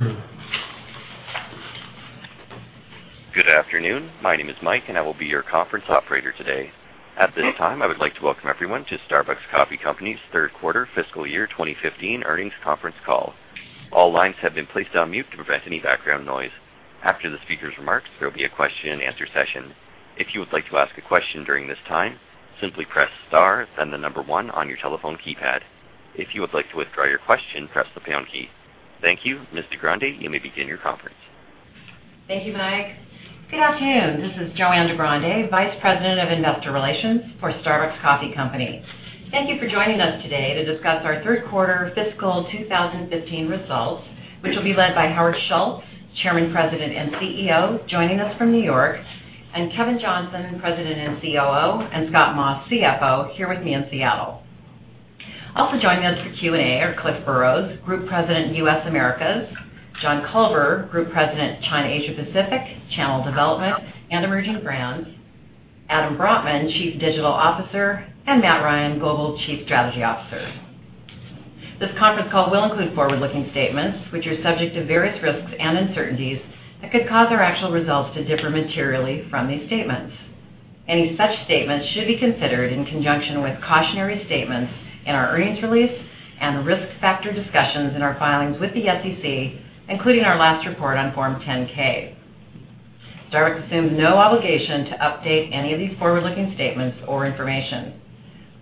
Good afternoon. My name is Mike, I will be your conference operator today. At this time, I would like to welcome everyone to Starbucks Coffee Company's third quarter fiscal year 2015 earnings conference call. All lines have been placed on mute to prevent any background noise. After the speaker's remarks, there will be a question-and-answer session. If you would like to ask a question during this time, simply press star, then the number one on your telephone keypad. If you would like to withdraw your question, press the pound key. Thank you. Ms. DeGrande, you may begin your conference. Thank you, Mike. Good afternoon. This is JoAnn DeGrande, Vice President of Investor Relations for Starbucks Coffee Company. Thank you for joining us today to discuss our third quarter fiscal 2015 results, which will be led by Howard Schultz, Chairman, President, and CEO, joining us from New York; Kevin Johnson, President and COO; and Scott Maw, CFO, here with me in Seattle. Also joining us for Q&A are Cliff Burrows, Group President, U.S. Americas; John Culver, Group President, China Asia Pacific, Channel Development, and Emerging Brands; Adam Brotman, Chief Digital Officer; and Matthew Ryan, Global Chief Strategy Officer. This conference call will include forward-looking statements, which are subject to various risks and uncertainties that could cause our actual results to differ materially from these statements. Any such statements should be considered in conjunction with cautionary statements in our earnings release and the risk factor discussions in our filings with the SEC, including our last report on Form 10-K. Starbucks assumes no obligation to update any of these forward-looking statements or information.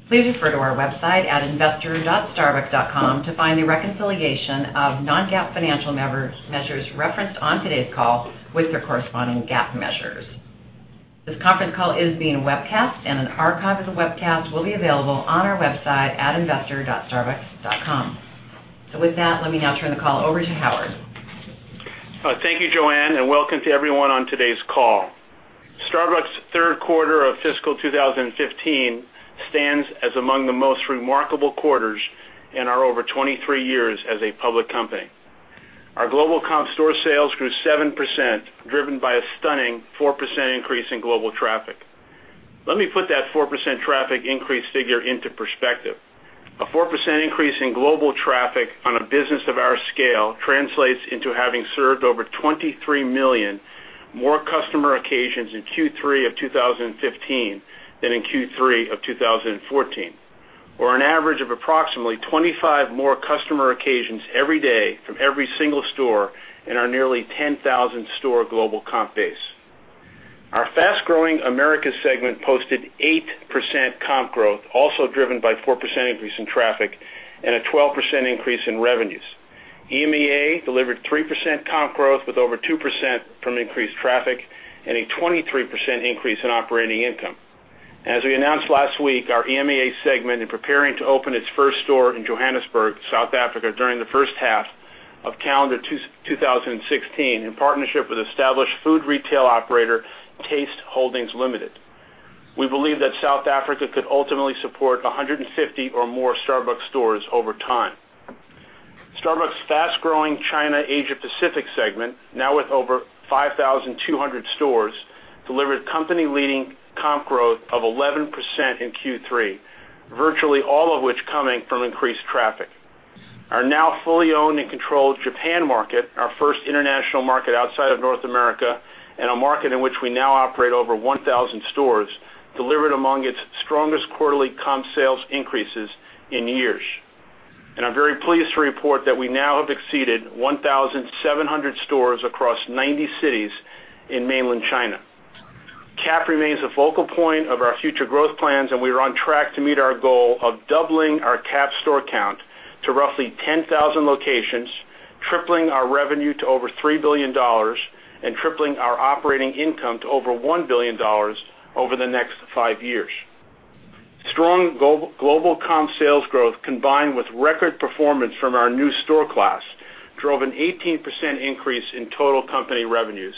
Please refer to our website at investor.starbucks.com to find the reconciliation of non-GAAP financial measures referenced on today's call with their corresponding GAAP measures. This conference call is being webcast, an archive of the webcast will be available on our website at investor.starbucks.com. With that, let me now turn the call over to Howard. Thank you, JoAnn. Welcome to everyone on today's call. Starbucks' third quarter of fiscal 2015 stands as among the most remarkable quarters in our over 23 years as a public company. Our global comp store sales grew 7%, driven by a stunning 4% increase in global traffic. Let me put that 4% traffic increase figure into perspective. A 4% increase in global traffic on a business of our scale translates into having served over $23 million more customer occasions in Q3 of 2015 than in Q3 of 2014, or an average of approximately 25 more customer occasions every day from every single store in our nearly 10,000-store global comp base. Our fast-growing Americas segment posted 8% comp growth, also driven by 4% increase in traffic and a 12% increase in revenues. EMEA delivered 3% comp growth, with over 2% from increased traffic and a 23% increase in operating income. As we announced last week, our EMEA segment is preparing to open its first store in Johannesburg, South Africa, during the first half of calendar 2016, in partnership with established food retail operator, Taste Holdings Limited. We believe that South Africa could ultimately support 150 or more Starbucks stores over time. Starbucks' fast-growing China Asia Pacific segment, now with over 5,200 stores, delivered company-leading comp growth of 11% in Q3, virtually all of which coming from increased traffic. Our now fully owned and controlled Japan market, our first international market outside of North America, and a market in which we now operate over 1,000 stores, delivered among its strongest quarterly comp sales increases in years. I'm very pleased to report that we now have exceeded 1,700 stores across 90 cities in mainland China. CAP remains a focal point of our future growth plans, and we are on track to meet our goal of doubling our CAP store count to roughly 10,000 locations, tripling our revenue to over $3 billion, and tripling our operating income to over $1 billion over the next five years. Strong global comp sales growth, combined with record performance from our new store class, drove an 18% increase in total company revenues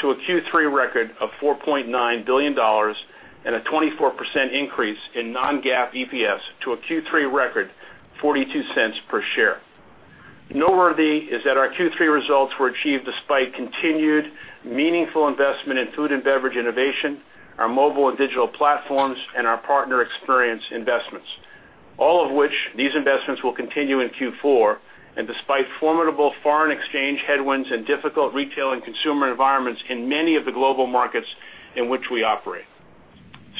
to a Q3 record of $4.9 billion and a 24% increase in non-GAAP EPS to a Q3 record $0.42 per share. Noteworthy is that our Q3 results were achieved despite continued meaningful investment in food and beverage innovation, our mobile and digital platforms, and our partner experience investments. All of which, these investments will continue in Q4, and despite formidable foreign exchange headwinds and difficult retail and consumer environments in many of the global markets in which we operate.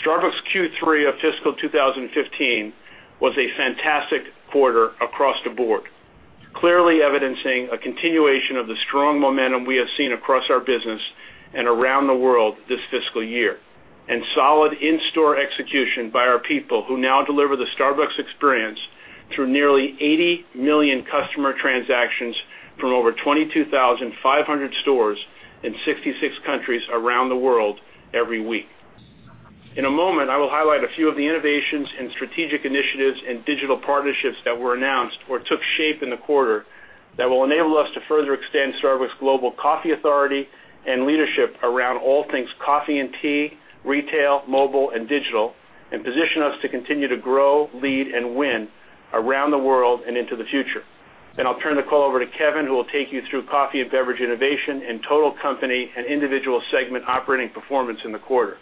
Starbucks' Q3 of fiscal 2015 was a fantastic quarter across the board, clearly evidencing a continuation of the strong momentum we have seen across our business and around the world this fiscal year, and solid in-store execution by our people, who now deliver the Starbucks Experience through nearly 80 million customer transactions from over 22,500 stores in 66 countries around the world every week. In a moment, I will highlight a few of the innovations and strategic initiatives and digital partnerships that were announced or took shape in the quarter that will enable us to further extend Starbucks' global coffee authority and leadership around all things coffee and tea, retail, mobile, and digital, and position us to continue to grow, lead, and win around the world and into the future. I'll turn the call over to Kevin, who will take you through coffee and beverage innovation and total company and individual segment operating performance in the quarter.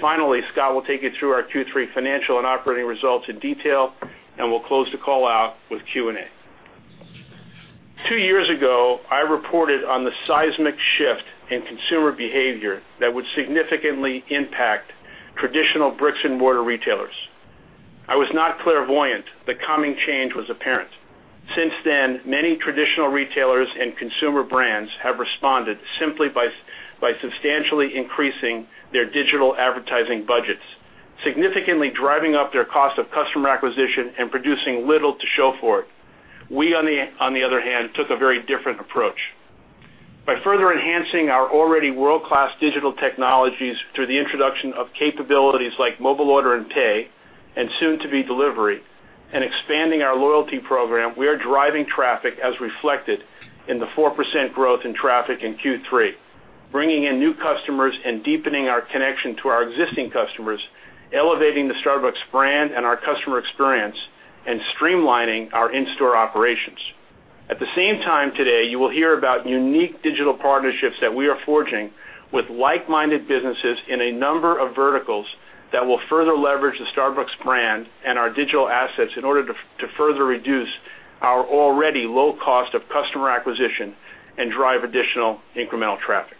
Finally, Scott will take you through our Q3 financial and operating results in detail, and we'll close the call out with Q&A. Two years ago, I reported on the seismic shift in consumer behavior that would significantly impact traditional bricks-and-mortar retailers. I was not clairvoyant. The coming change was apparent. Since then, many traditional retailers and consumer brands have responded simply by substantially increasing their digital advertising budgets, significantly driving up their cost of customer acquisition and producing little to show for it. We, on the other hand, took a very different approach. By further enhancing our already world-class digital technologies through the introduction of capabilities like Mobile Order and Pay, and soon-to-be delivery, and expanding our loyalty program, we are driving traffic as reflected in the 4% growth in traffic in Q3, bringing in new customers and deepening our connection to our existing customers, elevating the Starbucks brand and our customer experience, and streamlining our in-store operations. At the same time today, you will hear about unique digital partnerships that we are forging with like-minded businesses in a number of verticals that will further leverage the Starbucks brand and our digital assets in order to further reduce our already low cost of customer acquisition and drive additional incremental traffic.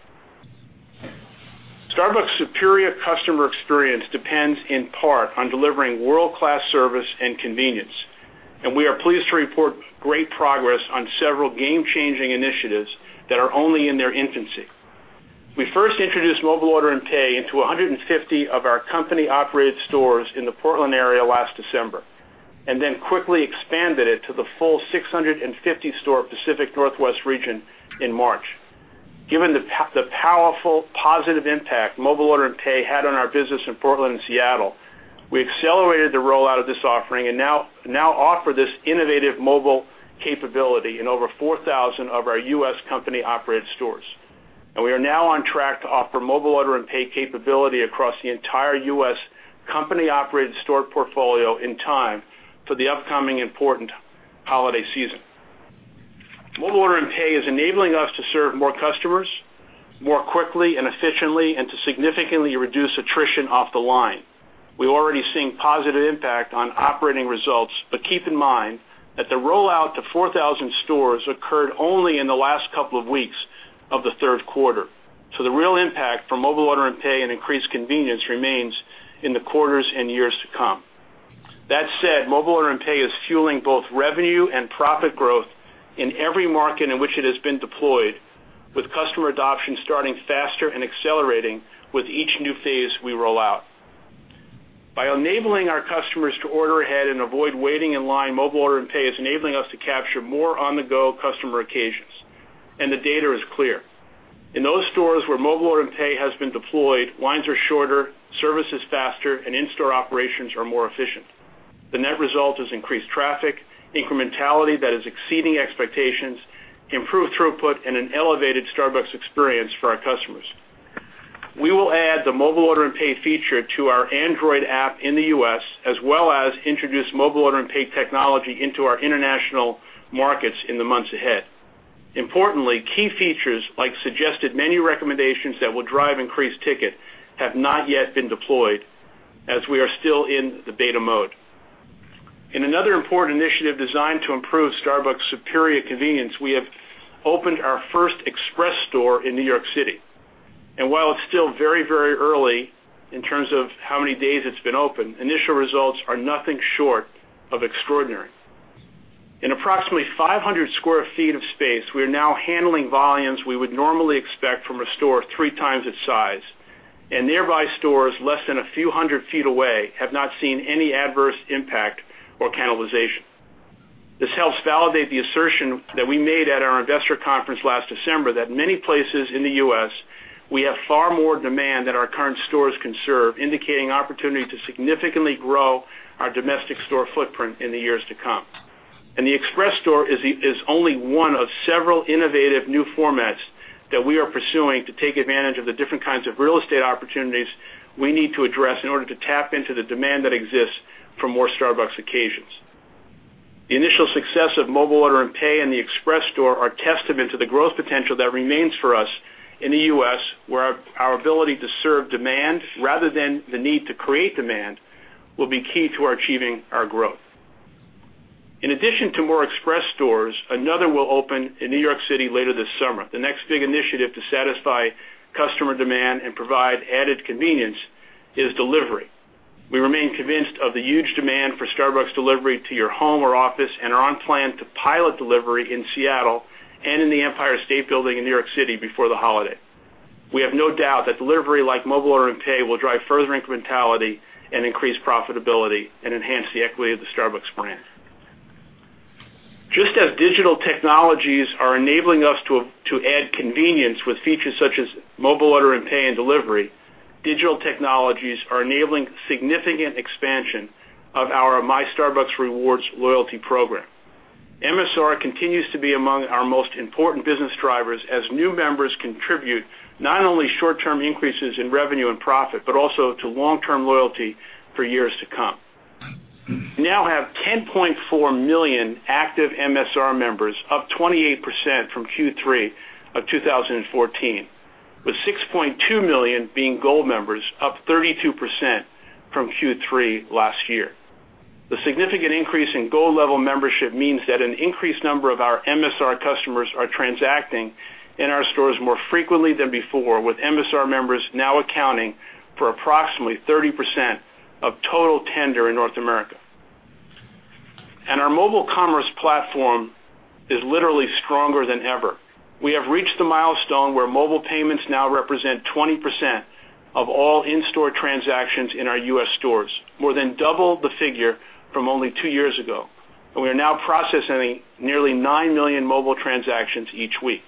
Starbucks' superior customer experience depends in part on delivering world-class service and convenience, and we are pleased to report great progress on several game-changing initiatives that are only in their infancy. We first introduced Mobile Order and Pay into 150 of our company-operated stores in the Portland area last December, and then quickly expanded it to the full 650-store Pacific Northwest region in March. Given the powerful positive impact Mobile Order and Pay had on our business in Portland and Seattle, we accelerated the rollout of this offering and now offer this innovative mobile capability in over 4,000 of our U.S. company-operated stores. We are now on track to offer Mobile Order and Pay capability across the entire U.S. company-operated store portfolio in time for the upcoming important holiday season. Mobile Order and Pay is enabling us to serve more customers more quickly and efficiently, and to significantly reduce attrition off the line. We're already seeing positive impact on operating results, but keep in mind that the rollout to 4,000 stores occurred only in the last couple of weeks of the third quarter. The real impact for Mobile Order and Pay and increased convenience remains in the quarters and years to come. That said, Mobile Order and Pay is fueling both revenue and profit growth in every market in which it has been deployed, with customer adoption starting faster and accelerating with each new phase we roll out. By enabling our customers to order ahead and avoid waiting in line, Mobile Order and Pay is enabling us to capture more on-the-go customer occasions, and the data is clear. In those stores where Mobile Order and Pay has been deployed, lines are shorter, service is faster, and in-store operations are more efficient. The net result is increased traffic, incrementality that is exceeding expectations, improved throughput, and an elevated Starbucks Experience for our customers. We will add the Mobile Order and Pay feature to our Android app in the U.S., as well as introduce Mobile Order and Pay technology into our international markets in the months ahead. Importantly, key features, like suggested menu recommendations that will drive increased ticket, have not yet been deployed as we are still in the beta mode. In another important initiative designed to improve Starbucks' superior convenience, we have opened our first Express store in New York City. While it's still very early in terms of how many days it's been open, initial results are nothing short of extraordinary. In approximately 500 sq ft of space, we are now handling volumes we would normally expect from a store three times its size, and nearby stores less than a few hundred feet away have not seen any adverse impact or cannibalization. This helps validate the assertion that we made at our investor conference last December that many places in the U.S., we have far more demand than our current stores can serve, indicating opportunity to significantly grow our domestic store footprint in the years to come. The Express store is only one of several innovative new formats that we are pursuing to take advantage of the different kinds of real estate opportunities we need to address in order to tap into the demand that exists for more Starbucks occasions. The initial success of Mobile Order & Pay and the Express store are testament to the growth potential that remains for us in the U.S., where our ability to serve demand rather than the need to create demand will be key to our achieving our growth. In addition to more Express stores, another will open in New York City later this summer. The next big initiative to satisfy customer demand and provide added convenience is delivery. We remain convinced of the huge demand for Starbucks delivery to your home or office and are on plan to pilot delivery in Seattle and in the Empire State Building in New York City before the holiday. We have no doubt that delivery, like Mobile Order & Pay, will drive further incrementality and increase profitability and enhance the equity of the Starbucks brand. Just as digital technologies are enabling us to add convenience with features such as Mobile Order & Pay and delivery, digital technologies are enabling significant expansion of our My Starbucks Rewards loyalty program. MSR continues to be among our most important business drivers as new members contribute not only short-term increases in revenue and profit, but also to long-term loyalty for years to come. We now have 10.4 million active MSR members, up 28% from Q3 of 2014, with 6.2 million being Gold members, up 32% from Q3 last year. The significant increase in gold-level membership means that an increased number of our MSR customers are transacting in our stores more frequently than before, with MSR members now accounting for approximately 30% of total tender in North America. Our mobile commerce platform is literally stronger than ever. We have reached the milestone where mobile payments now represent 20% of all in-store transactions in our U.S. stores, more than double the figure from only two years ago. We are now processing nearly nine million mobile transactions each week.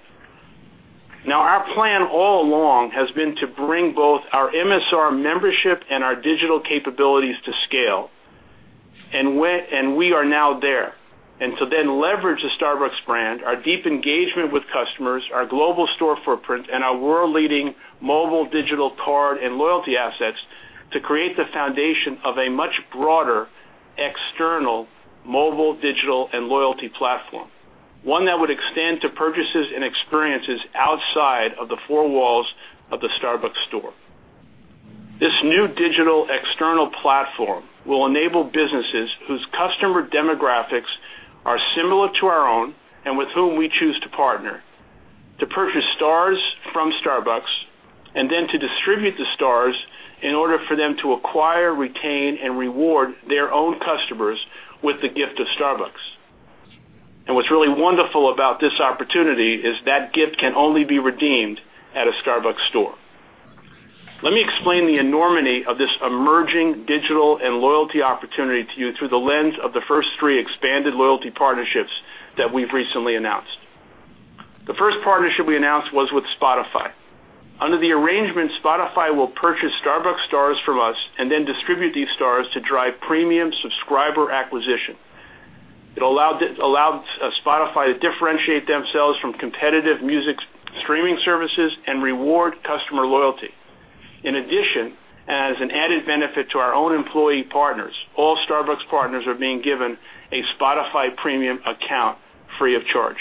Our plan all along has been to bring both our MSR membership and our digital capabilities to scale, and we are now there. To then leverage the Starbucks brand, our deep engagement with customers, our global store footprint, and our world-leading mobile digital card and loyalty assets to create the foundation of a much broader external mobile, digital, and loyalty platform, one that would extend to purchases and experiences outside of the four walls of the Starbucks store. This new digital external platform will enable businesses whose customer demographics are similar to our own and with whom we choose to partner, to purchase Stars from Starbucks and then to distribute the Stars in order for them to acquire, retain, and reward their own customers with the gift of Starbucks. What's really wonderful about this opportunity is that gift can only be redeemed at a Starbucks store. Let me explain the enormity of this emerging digital and loyalty opportunity to you through the lens of the first three expanded loyalty partnerships that we've recently announced. The first partnership we announced was with Spotify. Under the arrangement, Spotify will purchase Starbucks Stars from us and then distribute these Stars to drive premium subscriber acquisition. It allows Spotify to differentiate themselves from competitive music streaming services and reward customer loyalty. In addition, as an added benefit to our own employee partners, all Starbucks partners are being given a Spotify Premium account free of charge.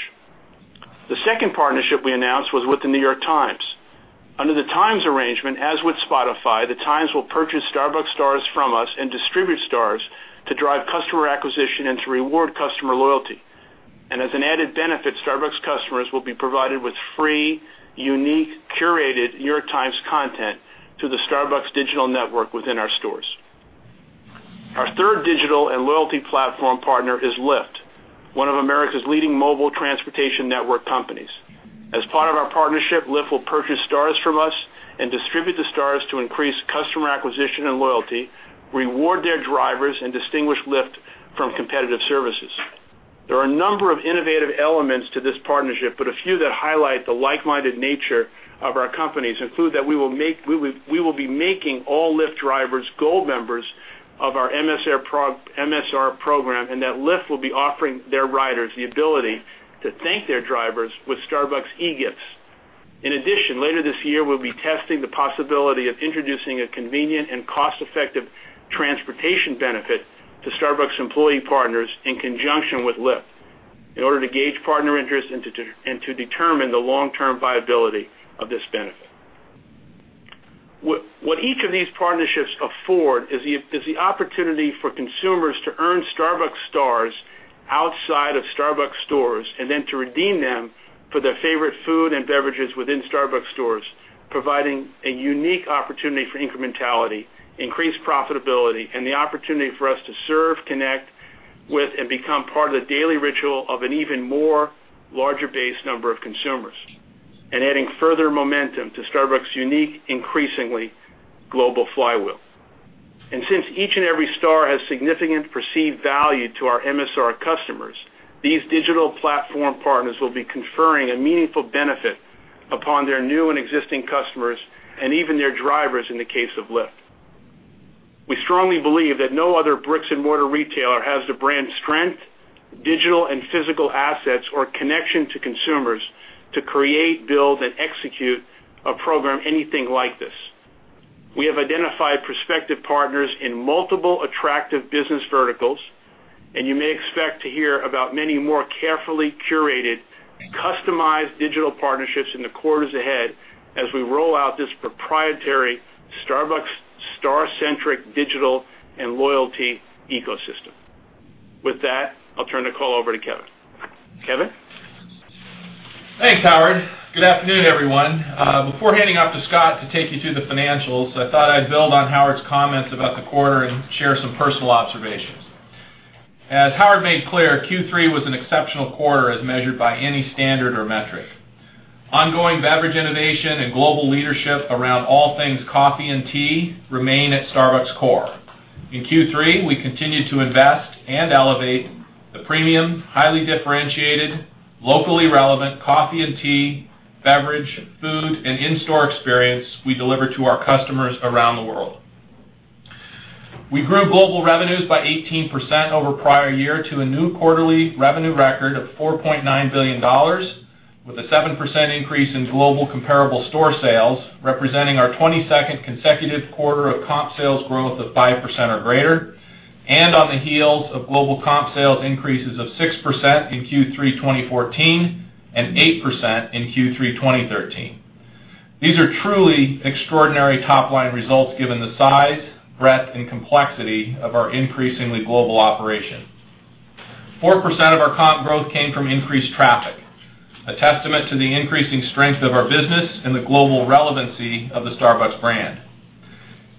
The second partnership we announced was with The New York Times. Under the Times arrangement, as with Spotify, the Times will purchase Starbucks Stars from us and distribute Stars to drive customer acquisition and to reward customer loyalty. As an added benefit, Starbucks customers will be provided with free, unique, curated New York Times content through the Starbucks Digital Network within our stores. Our third digital and loyalty platform partner is Lyft, one of America's leading mobile transportation network companies. As part of our partnership, Lyft will purchase Stars from us and distribute the Stars to increase customer acquisition and loyalty, reward their drivers, and distinguish Lyft from competitive services. There are a number of innovative elements to this partnership, but a few that highlight the like-minded nature of our companies include that we will be making all Lyft drivers Gold members of our MSR program, and that Lyft will be offering their riders the ability to thank their drivers with Starbucks e-gifts. In addition, later this year, we'll be testing the possibility of introducing a convenient and cost-effective transportation benefit to Starbucks employee partners in conjunction with Lyft in order to gauge partner interest and to determine the long-term viability of this benefit. What each of these partnerships afford is the opportunity for consumers to earn Starbucks Stars outside of Starbucks stores and then to redeem them for their favorite food and beverages within Starbucks stores, providing a unique opportunity for incrementality, increased profitability, and the opportunity for us to serve, connect with, and become part of the daily ritual of an even more larger base number of consumers, adding further momentum to Starbucks unique, increasingly global flywheel. Since each and every Star has significant perceived value to our MSR customers, these digital platform partners will be conferring a meaningful benefit upon their new and existing customers and even their drivers, in the case of Lyft. We strongly believe that no other bricks-and-mortar retailer has the brand strength, digital and physical assets, or connection to consumers to create, build, and execute a program anything like this. We have identified prospective partners in multiple attractive business verticals, and you may expect to hear about many more carefully curated, customized digital partnerships in the quarters ahead as we roll out this proprietary Starbucks Star-centric digital and loyalty ecosystem. With that, I will turn the call over to Kevin. Kevin? Thanks, Howard. Good afternoon, everyone. Before handing off to Scott to take you through the financials, I thought I would build on Howard's comments about the quarter and share some personal observations. As Howard made clear, Q3 was an exceptional quarter as measured by any standard or metric. Ongoing beverage innovation and global leadership around all things coffee and tea remain at Starbucks core. In Q3, we continued to invest and elevate the premium, highly differentiated, locally relevant coffee and tea, beverage, food, and in-store experience we deliver to our customers around the world. We grew global revenues by 18% over prior year to a new quarterly revenue record of $4.9 billion. With a 7% increase in global comparable store sales, representing our 22nd consecutive quarter of comp sales growth of 5% or greater, on the heels of global comp sales increases of 6% in Q3 2014 and 8% in Q3 2013. These are truly extraordinary top-line results given the size, breadth, and complexity of our increasingly global operation. 4% of our comp growth came from increased traffic, a testament to the increasing strength of our business and the global relevancy of the Starbucks brand.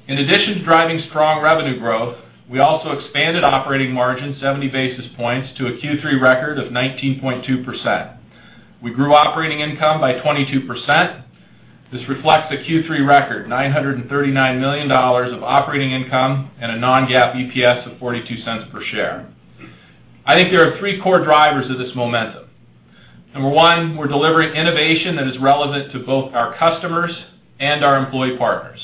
In addition to driving strong revenue growth, we also expanded operating margin 70 basis points to a Q3 record of 19.2%. We grew operating income by 22%. This reflects a Q3 record, $939 million of operating income and a non-GAAP EPS of $0.42 per share. I think there are three core drivers of this momentum. Number one, we are delivering innovation that is relevant to both our customers and our employee partners.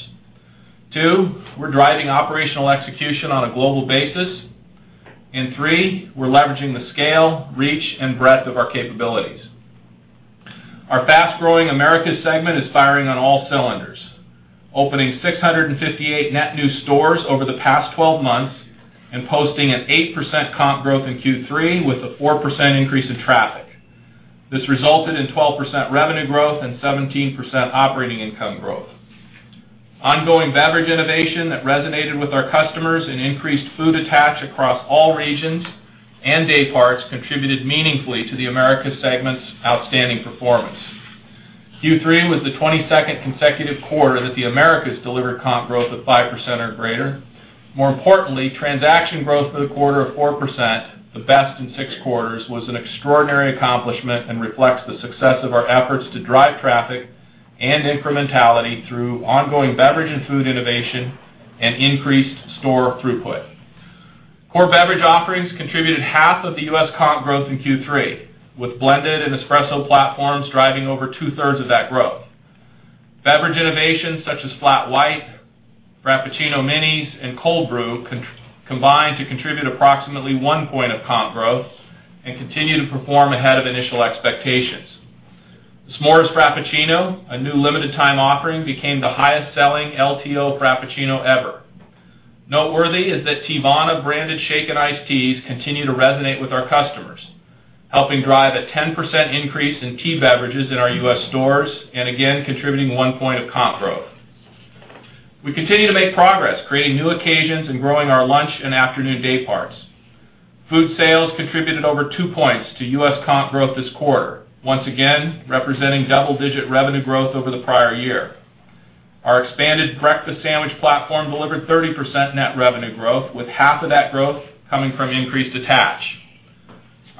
Two, we are driving operational execution on a global basis. Three, we are leveraging the scale, reach, and breadth of our capabilities. Our fast-growing Americas segment is firing on all cylinders, opening 658 net new stores over the past 12 months and posting an 8% comp growth in Q3 with a 4% increase in traffic. This resulted in 12% revenue growth and 17% operating income growth. Ongoing beverage innovation that resonated with our customers and increased food attach across all regions and day parts contributed meaningfully to the Americas segment's outstanding performance. Q3 was the 22nd consecutive quarter that the Americas delivered comp growth of 5% or greater. More importantly, transaction growth for the quarter of 4%, the best in six quarters, was an extraordinary accomplishment and reflects the success of our efforts to drive traffic and incrementality through ongoing beverage and food innovation and increased store throughput. Core beverage offerings contributed half of the U.S. comp growth in Q3, with blended and espresso platforms driving over two-thirds of that growth. Beverage innovations such as Flat White, Frappuccino Minis, and Cold Brew combined to contribute approximately one point of comp growth and continue to perform ahead of initial expectations. S'mores Frappuccino, a new limited time offering, became the highest-selling LTO Frappuccino ever. Noteworthy is that Teavana-branded shake and iced teas continue to resonate with our customers, helping drive a 10% increase in tea beverages in our U.S. stores, and again, contributing one point of comp growth. We continue to make progress creating new occasions and growing our lunch and afternoon day parts. Food sales contributed over two points to U.S. comp growth this quarter. Once again, representing double-digit revenue growth over the prior year. Our expanded breakfast sandwich platform delivered 30% net revenue growth, with half of that growth coming from increased attach.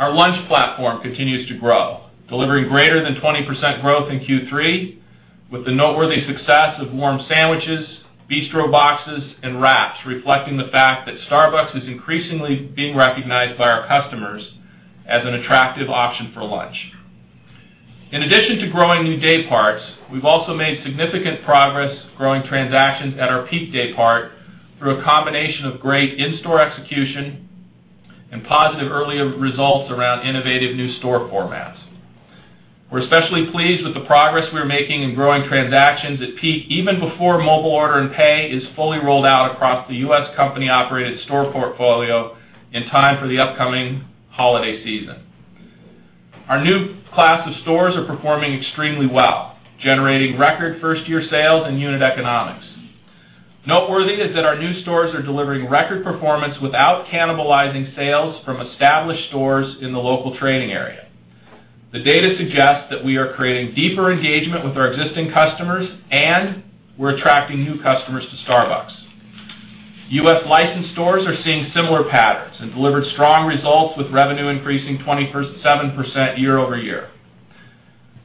Our lunch platform continues to grow, delivering greater than 20% growth in Q3, with the noteworthy success of warm sandwiches, bistro boxes, and wraps reflecting the fact that Starbucks is increasingly being recognized by our customers as an attractive option for lunch. In addition to growing new day parts, we've also made significant progress growing transactions at our peak day part through a combination of great in-store execution and positive early results around innovative new store formats. We're especially pleased with the progress we're making in growing transactions at peak, even before Mobile Order & Pay is fully rolled out across the U.S. company-operated store portfolio in time for the upcoming holiday season. Our new class of stores are performing extremely well, generating record first-year sales and unit economics. Noteworthy is that our new stores are delivering record performance without cannibalizing sales from established stores in the local trading area. The data suggests that we are creating deeper engagement with our existing customers and we're attracting new customers to Starbucks. U.S. licensed stores are seeing similar patterns and delivered strong results with revenue increasing 27% year-over-year.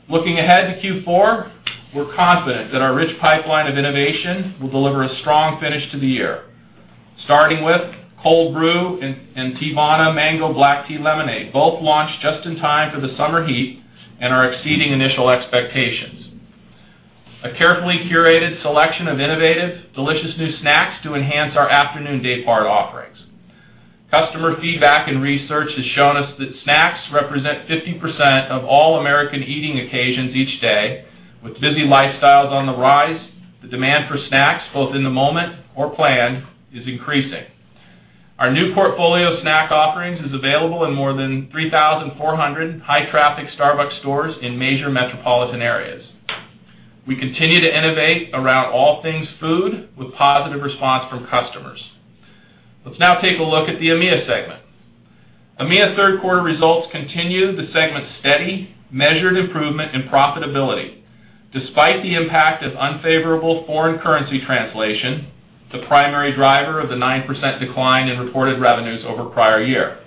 Looking ahead to Q4, we're confident that our rich pipeline of innovation will deliver a strong finish to the year. Starting with Cold Brew and Teavana Mango Black Tea Lemonade, both launched just in time for the summer heat and are exceeding initial expectations. A carefully curated selection of innovative, delicious new snacks to enhance our afternoon day part offerings. Customer feedback and research has shown us that snacks represent 50% of all American eating occasions each day. With busy lifestyles on the rise, the demand for snacks, both in the moment or planned, is increasing. Our new portfolio snack offerings is available in more than 3,400 high-traffic Starbucks stores in major metropolitan areas. We continue to innovate around all things food with positive response from customers. Let's now take a look at the EMEA segment. EMEA third quarter results continue the segment's steady, measured improvement in profitability, despite the impact of unfavorable foreign currency translation, the primary driver of the 9% decline in reported revenues year-over-year.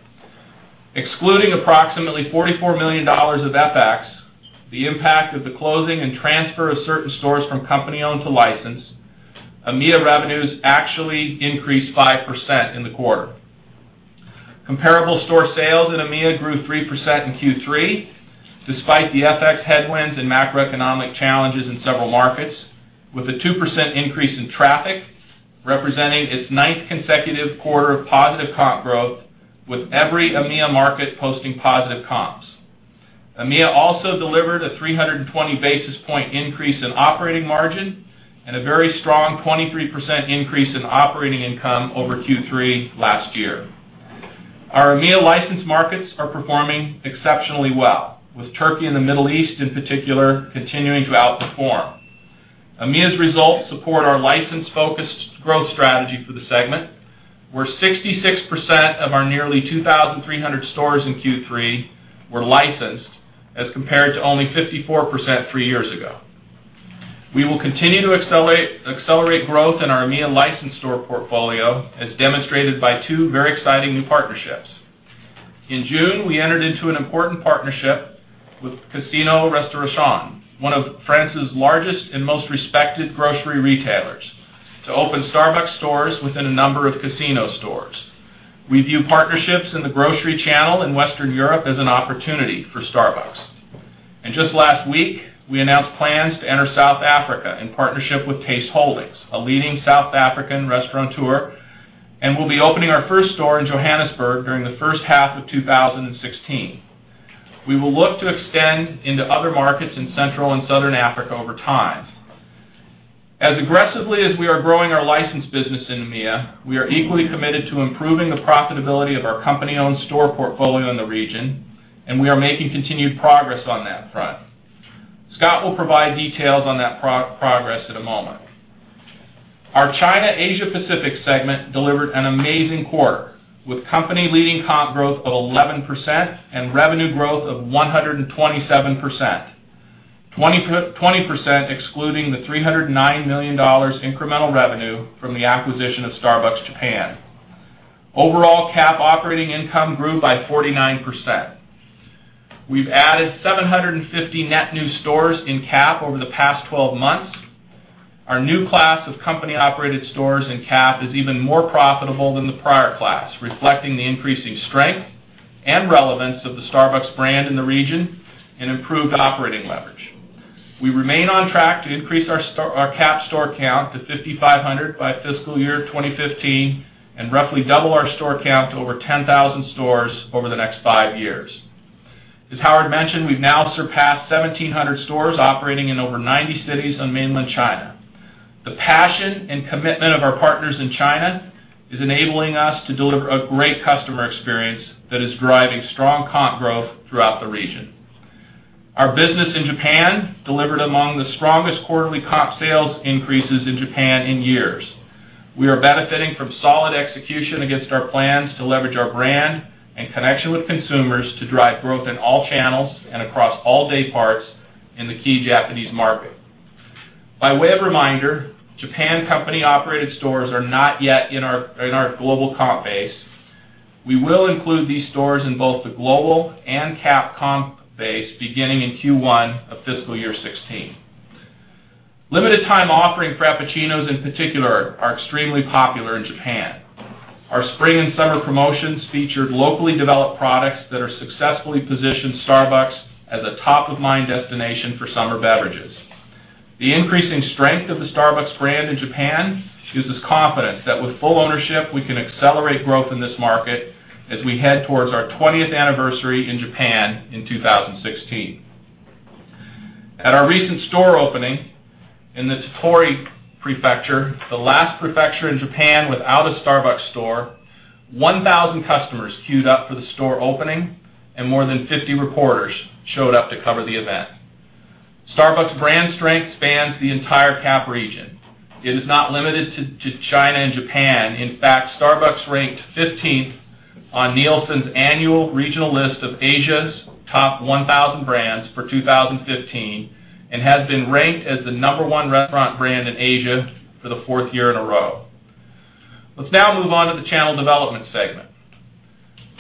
Excluding approximately $44 million of FX, the impact of the closing and transfer of certain stores from company-owned to licensed, EMEA revenues actually increased 5% in the quarter. Comparable store sales in EMEA grew 3% in Q3, despite the FX headwinds and macroeconomic challenges in several markets, with a 2% increase in traffic, representing its ninth consecutive quarter of positive comp growth. With every EMEA market posting positive comps. EMEA also delivered a 320 basis point increase in operating margin and a very strong 23% increase in operating income over Q3 last year. Our EMEA licensed markets are performing exceptionally well, with Turkey and the Middle East, in particular, continuing to outperform. EMEA's results support our license-focused growth strategy for the segment, where 66% of our nearly 2,300 stores in Q3 were licensed, as compared to only 54% 3 years ago. We will continue to accelerate growth in our EMEA licensed store portfolio, as demonstrated by two very exciting new partnerships. In June, we entered into an important partnership with Casino Restauration, one of France's largest and most respected grocery retailers, to open Starbucks stores within a number of Casino stores. We view partnerships in the grocery channel in Western Europe as an opportunity for Starbucks. Just last week, we announced plans to enter South Africa in partnership with Taste Holdings, a leading South African restaurateur, and will be opening our first store in Johannesburg during the first half of 2016. We will look to extend into other markets in Central and Southern Africa over time. As aggressively as we are growing our licensed business in EMEA, we are equally committed to improving the profitability of our company-owned store portfolio in the region. We are making continued progress on that front. Scott will provide details on that progress in a moment. Our China Asia-Pacific segment delivered an amazing quarter, with company-leading comp growth of 11% and revenue growth of 127%, 20% excluding the $309 million incremental revenue from the acquisition of Starbucks Japan. Overall, CAP operating income grew by 49%. We've added 750 net new stores in CAP over the past 12 months. Our new class of company-operated stores in CAP is even more profitable than the prior class, reflecting the increasing strength and relevance of the Starbucks brand in the region and improved operating leverage. We remain on track to increase our CAP store count to 5,500 by FY 2015 and roughly double our store count to over 10,000 stores over the next 5 years. As Howard mentioned, we've now surpassed 1,700 stores operating in over 90 cities on Mainland China. The passion and commitment of our partners in China is enabling us to deliver a great customer experience that is driving strong comp growth throughout the region. Our business in Japan delivered among the strongest quarterly comp sales increases in Japan in years. We are benefiting from solid execution against our plans to leverage our brand and connection with consumers to drive growth in all channels and across all day parts in the key Japanese market. By way of reminder, Japan company-operated stores are not yet in our global comp base. We will include these stores in both the global and CAP comp base beginning in Q1 of fiscal year 2016. Limited time offering Frappuccinos, in particular, are extremely popular in Japan. Our spring and summer promotions featured locally developed products that have successfully positioned Starbucks as a top-of-mind destination for summer beverages. The increasing strength of the Starbucks brand in Japan gives us confidence that with full ownership, we can accelerate growth in this market as we head towards our 20th anniversary in Japan in 2016. At our recent store opening in the Tottori Prefecture, the last prefecture in Japan without a Starbucks store, 1,000 customers queued up for the store opening, and more than 50 reporters showed up to cover the event. Starbucks' brand strength spans the entire CAP region. It is not limited to China and Japan. In fact, Starbucks ranked 15th on Nielsen's annual regional list of Asia's top 1,000 brands for 2015 and has been ranked as the number one restaurant brand in Asia for the fourth year in a row. Let's now move on to the Channel Development segment.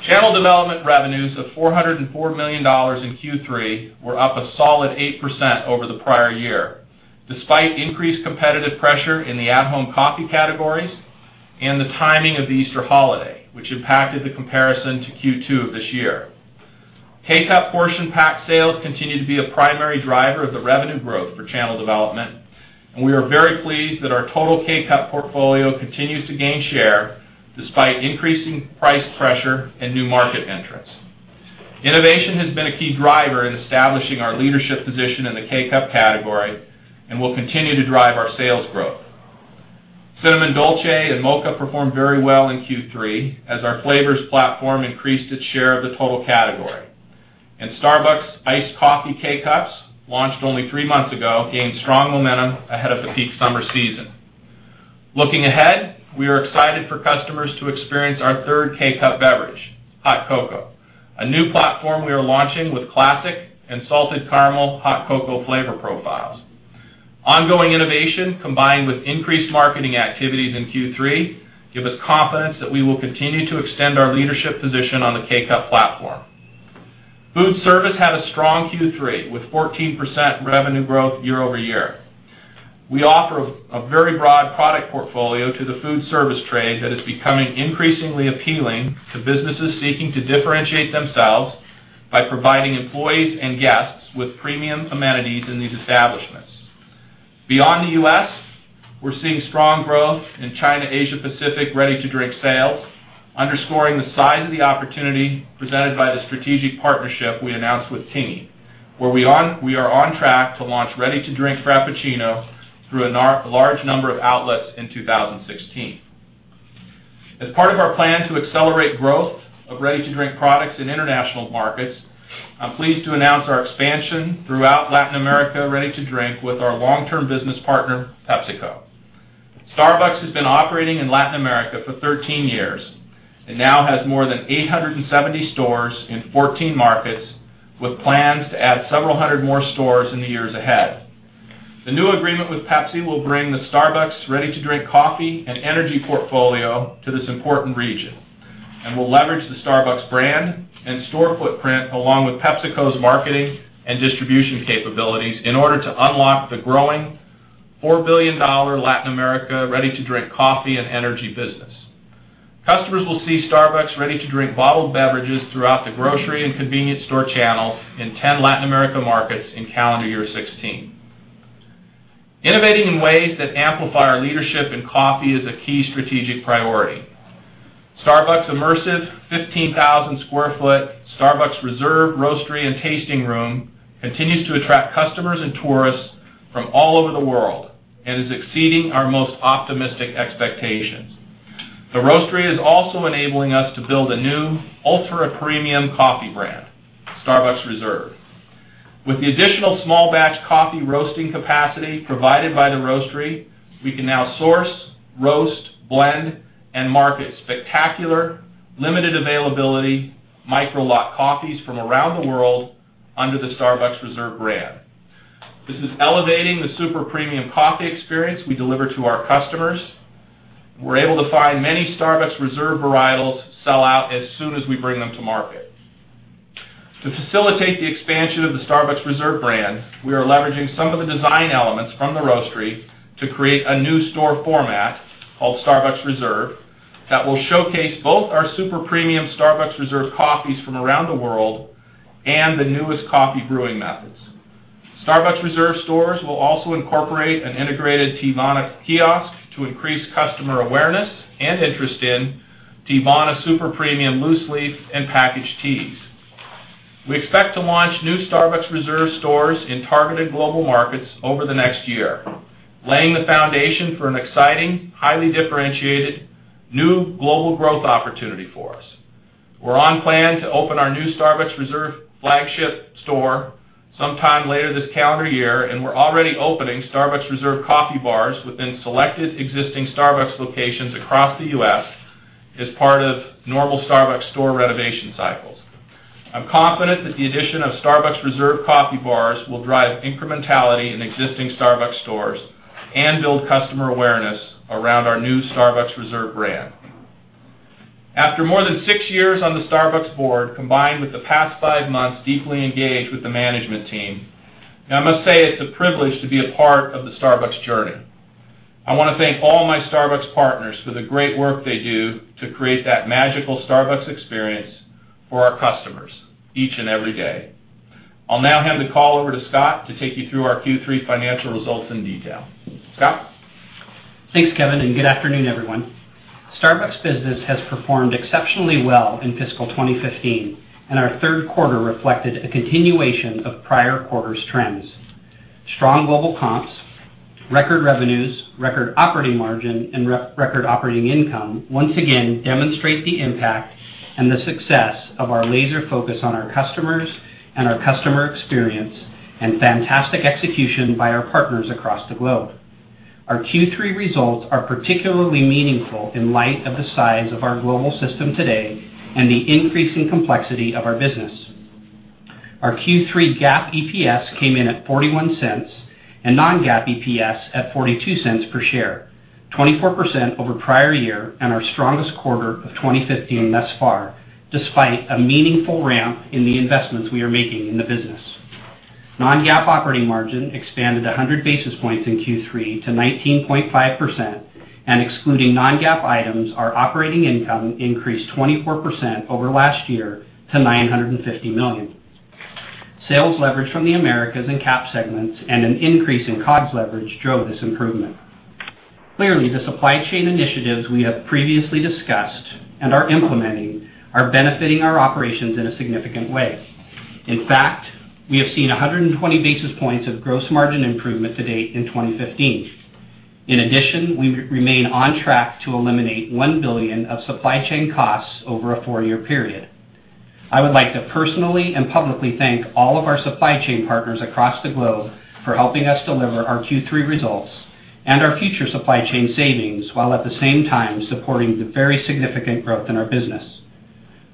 Channel Development revenues of $404 million in Q3 were up a solid 8% over the prior year, despite increased competitive pressure in the at-home coffee categories and the timing of the Easter holiday, which impacted the comparison to Q2 of this year. K-Cup portion pack sales continue to be a primary driver of the revenue growth for Channel Development, and we are very pleased that our total K-Cup portfolio continues to gain share despite increasing price pressure and new market entrants. Innovation has been a key driver in establishing our leadership position in the K-Cup category and will continue to drive our sales growth. Cinnamon Dolce and Mocha performed very well in Q3 as our flavors platform increased its share of the total category. Starbucks Iced Coffee K-Cups, launched only three months ago, gained strong momentum ahead of the peak summer season. Looking ahead, we are excited for customers to experience our third K-Cup beverage, hot cocoa, a new platform we are launching with classic and salted caramel hot cocoa flavor profiles. Ongoing innovation, combined with increased marketing activities in Q3, give us confidence that we will continue to extend our leadership position on the K-Cup platform. Food service had a strong Q3, with 14% revenue growth year-over-year. We offer a very broad product portfolio to the food service trade that is becoming increasingly appealing to businesses seeking to differentiate themselves by providing employees and guests with premium amenities in these establishments. Beyond the U.S., we're seeing strong growth in China/Asia Pacific ready-to-drink sales, underscoring the size of the opportunity presented by the strategic partnership we announced with Tingyi, where we are on track to launch ready-to-drink Frappuccino through a large number of outlets in 2016. As part of our plan to accelerate growth of ready-to-drink products in international markets, I'm pleased to announce our expansion throughout Latin America ready-to-drink with our long-term business partner, PepsiCo. Starbucks has been operating in Latin America for 13 years and now has more than 870 stores in 14 markets, with plans to add several hundred more stores in the years ahead. The new agreement with Pepsi will bring the Starbucks ready-to-drink coffee and energy portfolio to this important region, and will leverage the Starbucks brand and store footprint along with PepsiCo's marketing and distribution capabilities in order to unlock the growing $4 billion Latin America ready-to-drink coffee and energy business. Customers will see Starbucks ready-to-drink bottled beverages throughout the grocery and convenience store channel in 10 Latin America markets in calendar year 2016. Innovating in ways that amplify our leadership in coffee is a key strategic priority. Starbucks' immersive 15,000 square foot Starbucks Reserve Roastery and Tasting Room continues to attract customers and tourists from all over the world and is exceeding our most optimistic expectations. The roastery is also enabling us to build a new ultra-premium coffee brand, Starbucks Reserve. With the additional small-batch coffee roasting capacity provided by the roastery, we can now source, roast, blend, and market spectacular, limited availability micro lot coffees from around the world under the Starbucks Reserve brand. This is elevating the super premium coffee experience we deliver to our customers. We're able to find many Starbucks Reserve varietals sell out as soon as we bring them to market. To facilitate the expansion of the Starbucks Reserve brand, we are leveraging some of the design elements from the roastery to create a new store format called Starbucks Reserve that will showcase both our super premium Starbucks Reserve coffees from around the world and the newest coffee brewing methods. Starbucks Reserve stores will also incorporate an integrated Teavana kiosk to increase customer awareness and interest in Teavana super premium loose leaf and packaged teas. We expect to launch new Starbucks Reserve stores in targeted global markets over the next year, laying the foundation for an exciting, highly differentiated, new global growth opportunity for us. We're on plan to open our new Starbucks Reserve flagship store sometime later this calendar year, and we're already opening Starbucks Reserve coffee bars within selected existing Starbucks locations across the U.S. as part of normal Starbucks store renovation cycles. I'm confident that the addition of Starbucks Reserve coffee bars will drive incrementality in existing Starbucks stores and build customer awareness around our new Starbucks Reserve brand. After more than six years on the Starbucks board, combined with the past five months deeply engaged with the management team, I must say it's a privilege to be a part of the Starbucks journey. I want to thank all my Starbucks partners for the great work they do to create that magical Starbucks experience for our customers each and every day. I'll now hand the call over to Scott to take you through our Q3 financial results in detail. Scott? Thanks, Kevin, and good afternoon, everyone. Starbucks' business has performed exceptionally well in fiscal 2015, and our third quarter reflected a continuation of prior quarters' trends. Strong global comps, record revenues, record operating margin, and record operating income once again demonstrate the impact and the success of our laser focus on our customers and our customer experience and fantastic execution by our partners across the globe. Our Q3 results are particularly meaningful in light of the size of our global system today and the increasing complexity of our business. Our Q3 GAAP EPS came in at $0.41 and non-GAAP EPS at $0.42 per share, 24% over prior year and our strongest quarter of 2015 thus far, despite a meaningful ramp in the investments we are making in the business. Non-GAAP operating margin expanded 100 basis points in Q3 to 19.5%. Excluding non-GAAP items, our operating income increased 24% over last year to $950 million. Sales leverage from the Americas and CAP segments and an increase in COGS leverage drove this improvement. Clearly, the supply chain initiatives we have previously discussed and are implementing are benefiting our operations in a significant way. In fact, we have seen 120 basis points of gross margin improvement to date in 2015. In addition, we remain on track to eliminate $1 billion of supply chain costs over a four-year period. I would like to personally and publicly thank all of our supply chain partners across the globe for helping us deliver our Q3 results and our future supply chain savings, while at the same time supporting the very significant growth in our business.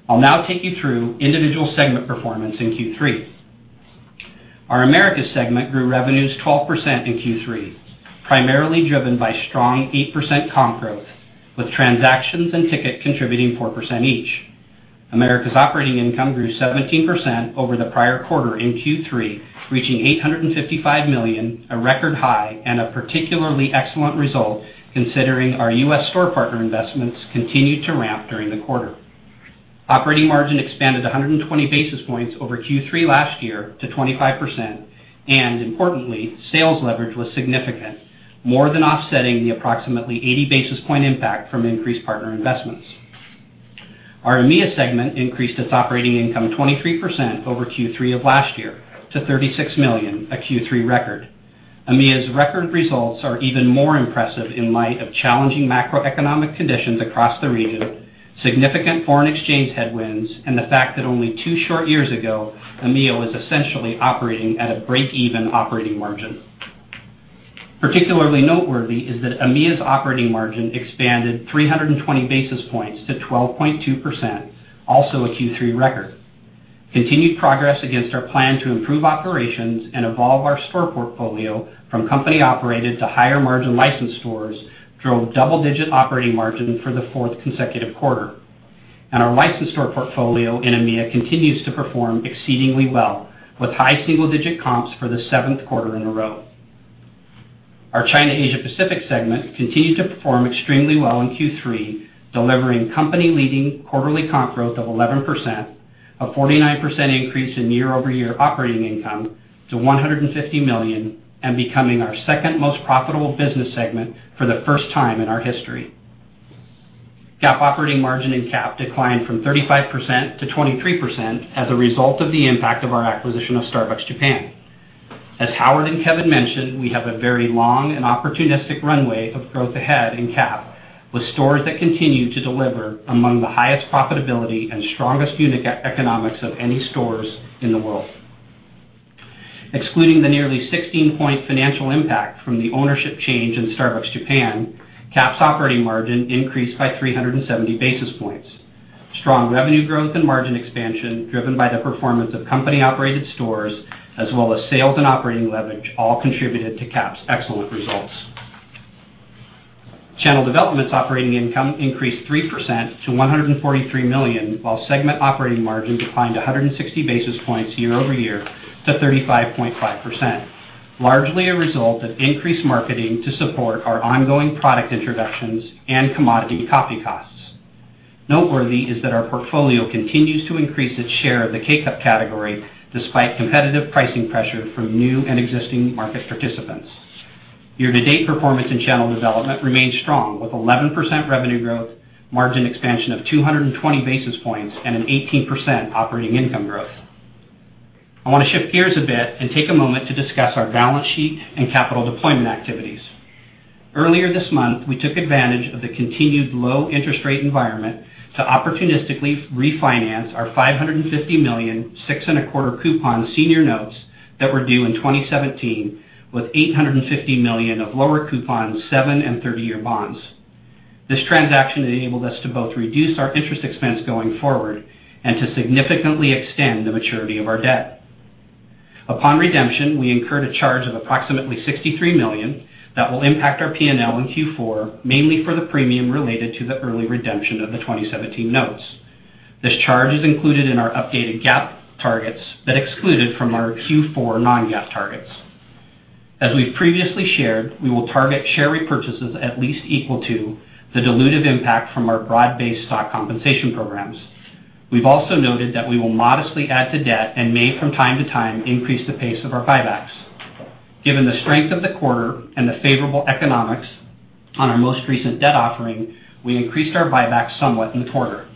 I'll now take you through individual segment performance in Q3. Our Americas segment grew revenues 12% in Q3, primarily driven by strong 8% comp growth, with transactions and ticket contributing 4% each. Americas operating income grew 17% over the prior quarter in Q3, reaching $855 million, a record high, and a particularly excellent result considering our U.S. store partner investments continued to ramp during the quarter. Operating margin expanded 120 basis points over Q3 last year to 25%. Importantly, sales leverage was significant, more than offsetting the approximately 80 basis point impact from increased partner investments. Our EMEA segment increased its operating income 23% over Q3 of last year to $36 million, a Q3 record. EMEA's record results are even more impressive in light of challenging macroeconomic conditions across the region, significant foreign exchange headwinds, and the fact that only two short years ago, EMEA was essentially operating at a break-even operating margin. Particularly noteworthy is that EMEA's operating margin expanded 320 basis points to 12.2%, also a Q3 record. Continued progress against our plan to improve operations and evolve our store portfolio from company-operated to higher-margin licensed stores drove double-digit operating margin for the fourth consecutive quarter. Our licensed store portfolio in EMEA continues to perform exceedingly well, with high single-digit comps for the seventh quarter in a row. Our China/Asia Pacific segment continued to perform extremely well in Q3, delivering company-leading quarterly comp growth of 11%, a 49% increase in year-over-year operating income to $150 million, and becoming our second most profitable business segment for the first time in our history. GAAP operating margin in CAP declined from 35%-23% as a result of the impact of our acquisition of Starbucks Japan. As Howard and Kevin mentioned, we have a very long and opportunistic runway of growth ahead in CAP, with stores that continue to deliver among the highest profitability and strongest unit economics of any stores in the world. Excluding the nearly 16-point financial impact from the ownership change in Starbucks Japan, CAP's operating margin increased by 370 basis points. Strong revenue growth and margin expansion driven by the performance of company-operated stores, as well as sales and operating leverage, all contributed to CAP's excellent results. Channel development's operating income increased 3% to $143 million, while segment operating margin declined 160 basis points year-over-year to 35.5%, largely a result of increased marketing to support our ongoing product introductions and commodity coffee costs. Noteworthy is that our portfolio continues to increase its share of the K-Cup category, despite competitive pricing pressure from new and existing market participants. Year-to-date performance in channel development remains strong, with 11% revenue growth, margin expansion of 220 basis points, and an 18% operating income growth. I want to shift gears a bit and take a moment to discuss our balance sheet and capital deployment activities. Earlier this month, we took advantage of the continued low interest rate environment to opportunistically refinance our $550 million six-and-a-quarter coupon senior notes that were due in 2017 with $850 million of lower coupon seven- and 30-year bonds. This transaction enabled us to both reduce our interest expense going forward and to significantly extend the maturity of our debt. Upon redemption, we incurred a charge of approximately $63 million that will impact our P&L in Q4, mainly for the premium related to the early redemption of the 2017 notes. This charge is included in our updated GAAP targets but excluded from our Q4 non-GAAP targets. As we've previously shared, we will target share repurchases at least equal to the dilutive impact from our broad-based stock compensation programs. We've also noted that we will modestly add to debt and may, from time to time, increase the pace of our buybacks. Given the strength of the quarter and the favorable economics on our most recent debt offering, we increased our buyback somewhat in the quarter.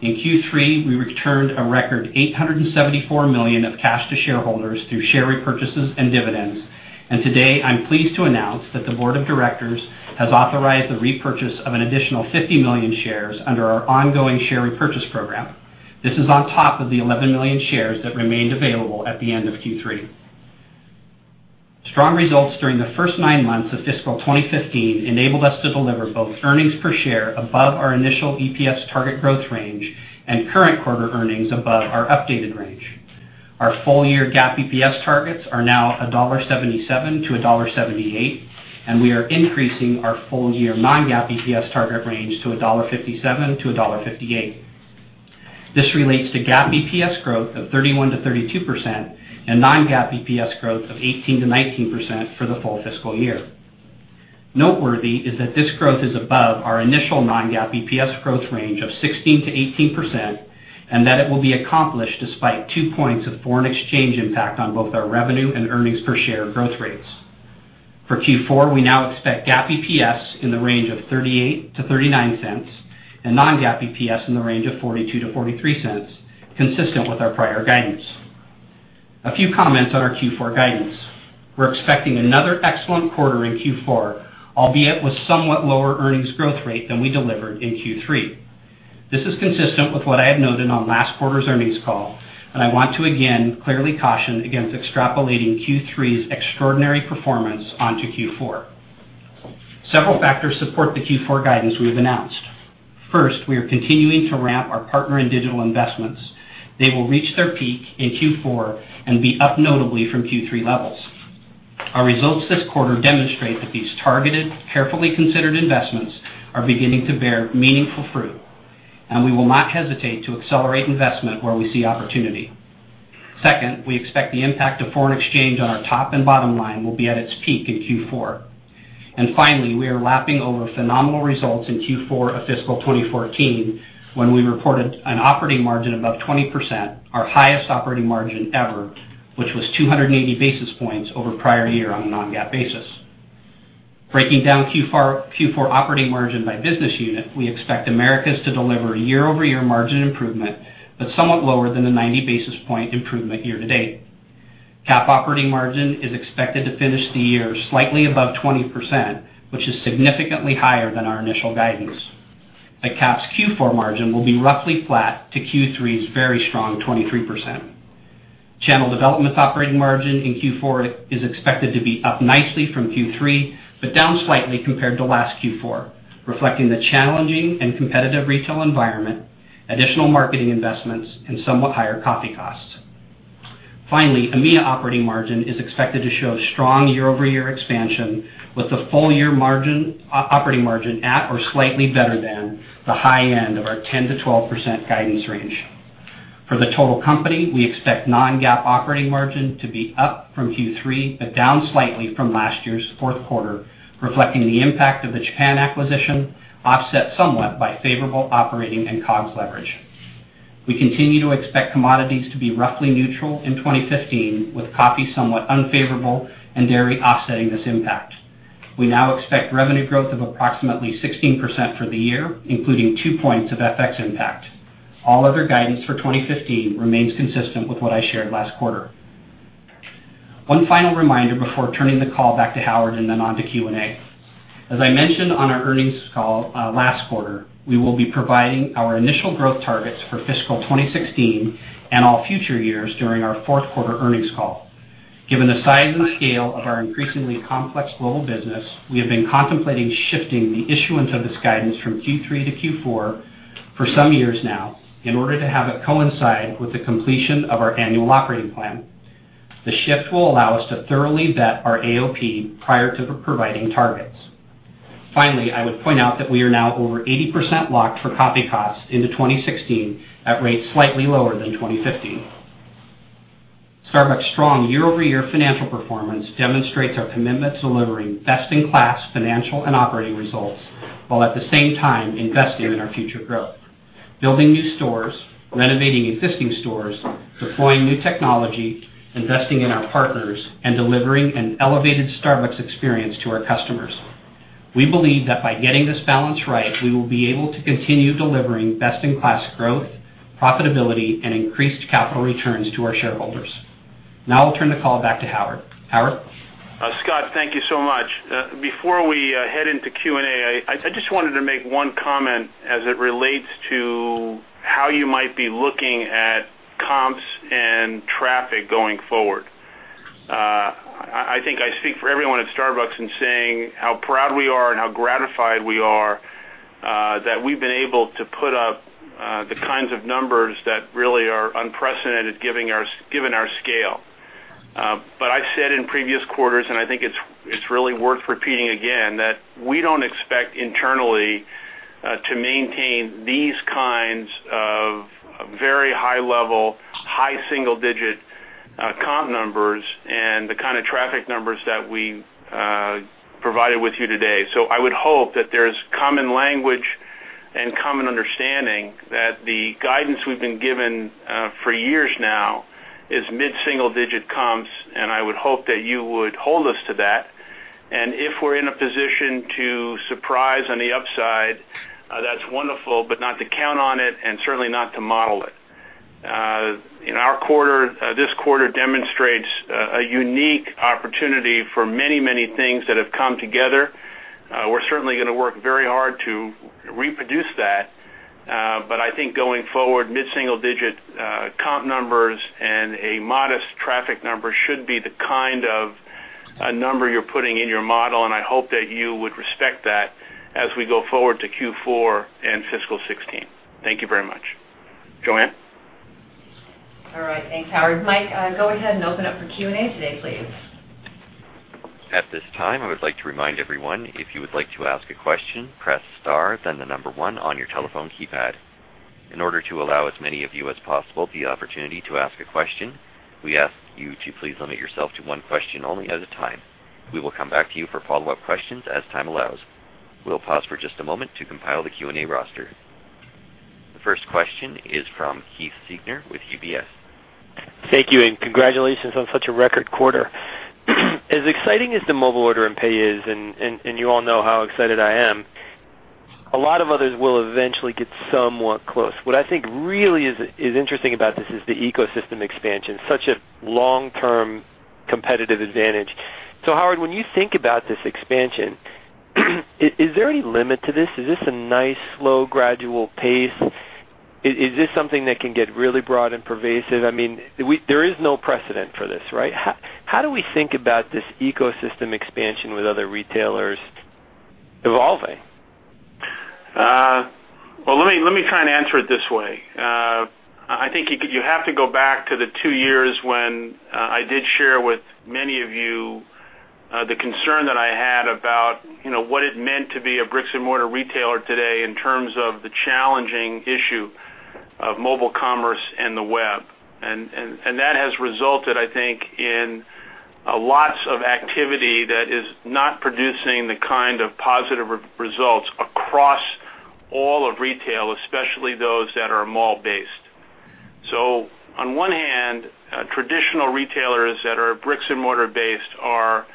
In Q3, we returned a record $874 million of cash to shareholders through share repurchases and dividends, and today I'm pleased to announce that the board of directors has authorized the repurchase of an additional 50 million shares under our ongoing share repurchase program. This is on top of the 11 million shares that remained available at the end of Q3. Strong results during the first nine months of fiscal 2015 enabled us to deliver both earnings per share above our initial EPS target growth range and current quarter earnings above our updated range. Our full-year GAAP EPS targets are now $1.77-$1.78, and we are increasing our full-year non-GAAP EPS target range to $1.57-$1.58. This relates to GAAP EPS growth of 31%-32% and non-GAAP EPS growth of 18%-19% for the full fiscal year. Noteworthy is that this growth is above our initial non-GAAP EPS growth range of 16%-18%, and that it will be accomplished despite two points of foreign exchange impact on both our revenue and earnings per share growth rates. For Q4, we now expect GAAP EPS in the range of $0.38-$0.39 and non-GAAP EPS in the range of $0.42-$0.43, consistent with our prior guidance. A few comments on our Q4 guidance. We're expecting another excellent quarter in Q4, albeit with somewhat lower earnings growth rate than we delivered in Q3. This is consistent with what I had noted on last quarter's earnings call. I want to again clearly caution against extrapolating Q3's extraordinary performance onto Q4. Several factors support the Q4 guidance we've announced. First, we are continuing to ramp our partner and digital investments. They will reach their peak in Q4 and be up notably from Q3 levels. Our results this quarter demonstrate that these targeted, carefully considered investments are beginning to bear meaningful fruit. We will not hesitate to accelerate investment where we see opportunity. Second, we expect the impact of foreign exchange on our top and bottom line will be at its peak in Q4. Finally, we are lapping over phenomenal results in Q4 of fiscal 2014, when we reported an operating margin above 20%, our highest operating margin ever, which was 280 basis points over prior year on a non-GAAP basis. Breaking down Q4 operating margin by business unit, we expect Americas to deliver a year-over-year margin improvement, but somewhat lower than the 90 basis point improvement year-to-date. CAP operating margin is expected to finish the year slightly above 20%, which is significantly higher than our initial guidance. CAP's Q4 margin will be roughly flat to Q3's very strong 23%. Channel development operating margin in Q4 is expected to be up nicely from Q3, but down slightly compared to last Q4, reflecting the challenging and competitive retail environment, additional marketing investments, somewhat higher coffee costs. Finally, EMEA operating margin is expected to show strong year-over-year expansion with the full-year operating margin at or slightly better than the high end of our 10%-12% guidance range. For the total company, we expect non-GAAP operating margin to be up from Q3, but down slightly from last year's fourth quarter, reflecting the impact of the Japan acquisition, offset somewhat by favorable operating and COGS leverage. We continue to expect commodities to be roughly neutral in 2015, with coffee somewhat unfavorable and dairy offsetting this impact. We now expect revenue growth of approximately 16% for the year, including two points of FX impact. All other guidance for 2015 remains consistent with what I shared last quarter. One final reminder before turning the call back to Howard and then on to Q&A. As I mentioned on our earnings call last quarter, we will be providing our initial growth targets for fiscal 2016 and all future years during our fourth quarter earnings call. Given the size and scale of our increasingly complex global business, we have been contemplating shifting the issuance of this guidance from Q3 to Q4 for some years now in order to have it coincide with the completion of our annual operating plan. The shift will allow us to thoroughly vet our AOP prior to providing targets. Finally, I would point out that we are now over 80% locked for coffee costs into 2016 at rates slightly lower than 2015. Starbucks' strong year-over-year financial performance demonstrates our commitment to delivering best-in-class financial and operating results, while at the same time investing in our future growth. Building new stores, renovating existing stores, deploying new technology, investing in our partners, and delivering an elevated Starbucks experience to our customers. We believe that by getting this balance right, we will be able to continue delivering best-in-class growth, profitability, and increased capital returns to our shareholders. I'll turn the call back to Howard. Howard? Scott, thank you so much. Before we head into Q&A, I just wanted to make one comment as it relates to how you might be looking at comps and traffic going forward. I think I speak for everyone at Starbucks in saying how proud we are and how gratified we are that we've been able to put up the kinds of numbers that really are unprecedented, given our scale. I've said in previous quarters, and I think it's really worth repeating again, that we don't expect internally to maintain these kinds of very high level, high single-digit comp numbers and the kind of traffic numbers that we provided with you today. I would hope that there's common language and common understanding that the guidance we've been given for years now is mid-single digit comps, and I would hope that you would hold us to that. If we're in a position to surprise on the upside, that's wonderful, but not to count on it and certainly not to model it. This quarter demonstrates a unique opportunity for many things that have come together. We're certainly going to work very hard to reproduce that. I think going forward, mid-single digit comp numbers and a modest traffic number should be the kind of number you're putting in your model, and I hope that you would respect that as we go forward to Q4 and fiscal 2016. Thank you very much. JoAnn? All right. Thanks, Howard. Mike, go ahead and open up for Q&A today, please. At this time, I would like to remind everyone, if you would like to ask a question, press star, then the number 1 on your telephone keypad. In order to allow as many of you as possible the opportunity to ask a question, we ask you to please limit yourself to one question only at a time. We will come back to you for follow-up questions as time allows. We'll pause for just a moment to compile the Q&A roster. The first question is from Keith Siegner with UBS. Thank you. Congratulations on such a record quarter. As exciting as the Mobile Order & Pay is, and you all know how excited I am, a lot of others will eventually get somewhat close. What I think really is interesting about this is the ecosystem expansion, such a long-term competitive advantage. Howard, when you think about this expansion, is there any limit to this? Is this a nice, slow, gradual pace? Is this something that can get really broad and pervasive? There is no precedent for this, right? How do we think about this ecosystem expansion with other retailers evolving? Well, let me try and answer it this way. I think you have to go back to the two years when I did share with many of you the concern that I had about what it meant to be a bricks-and-mortar retailer today in terms of the challenging issue of mobile commerce and the web. That has resulted, I think, in lots of activity that is not producing the kind of positive results across all of retail, especially those that are mall-based. On one hand, traditional retailers that are bricks-and-mortar based are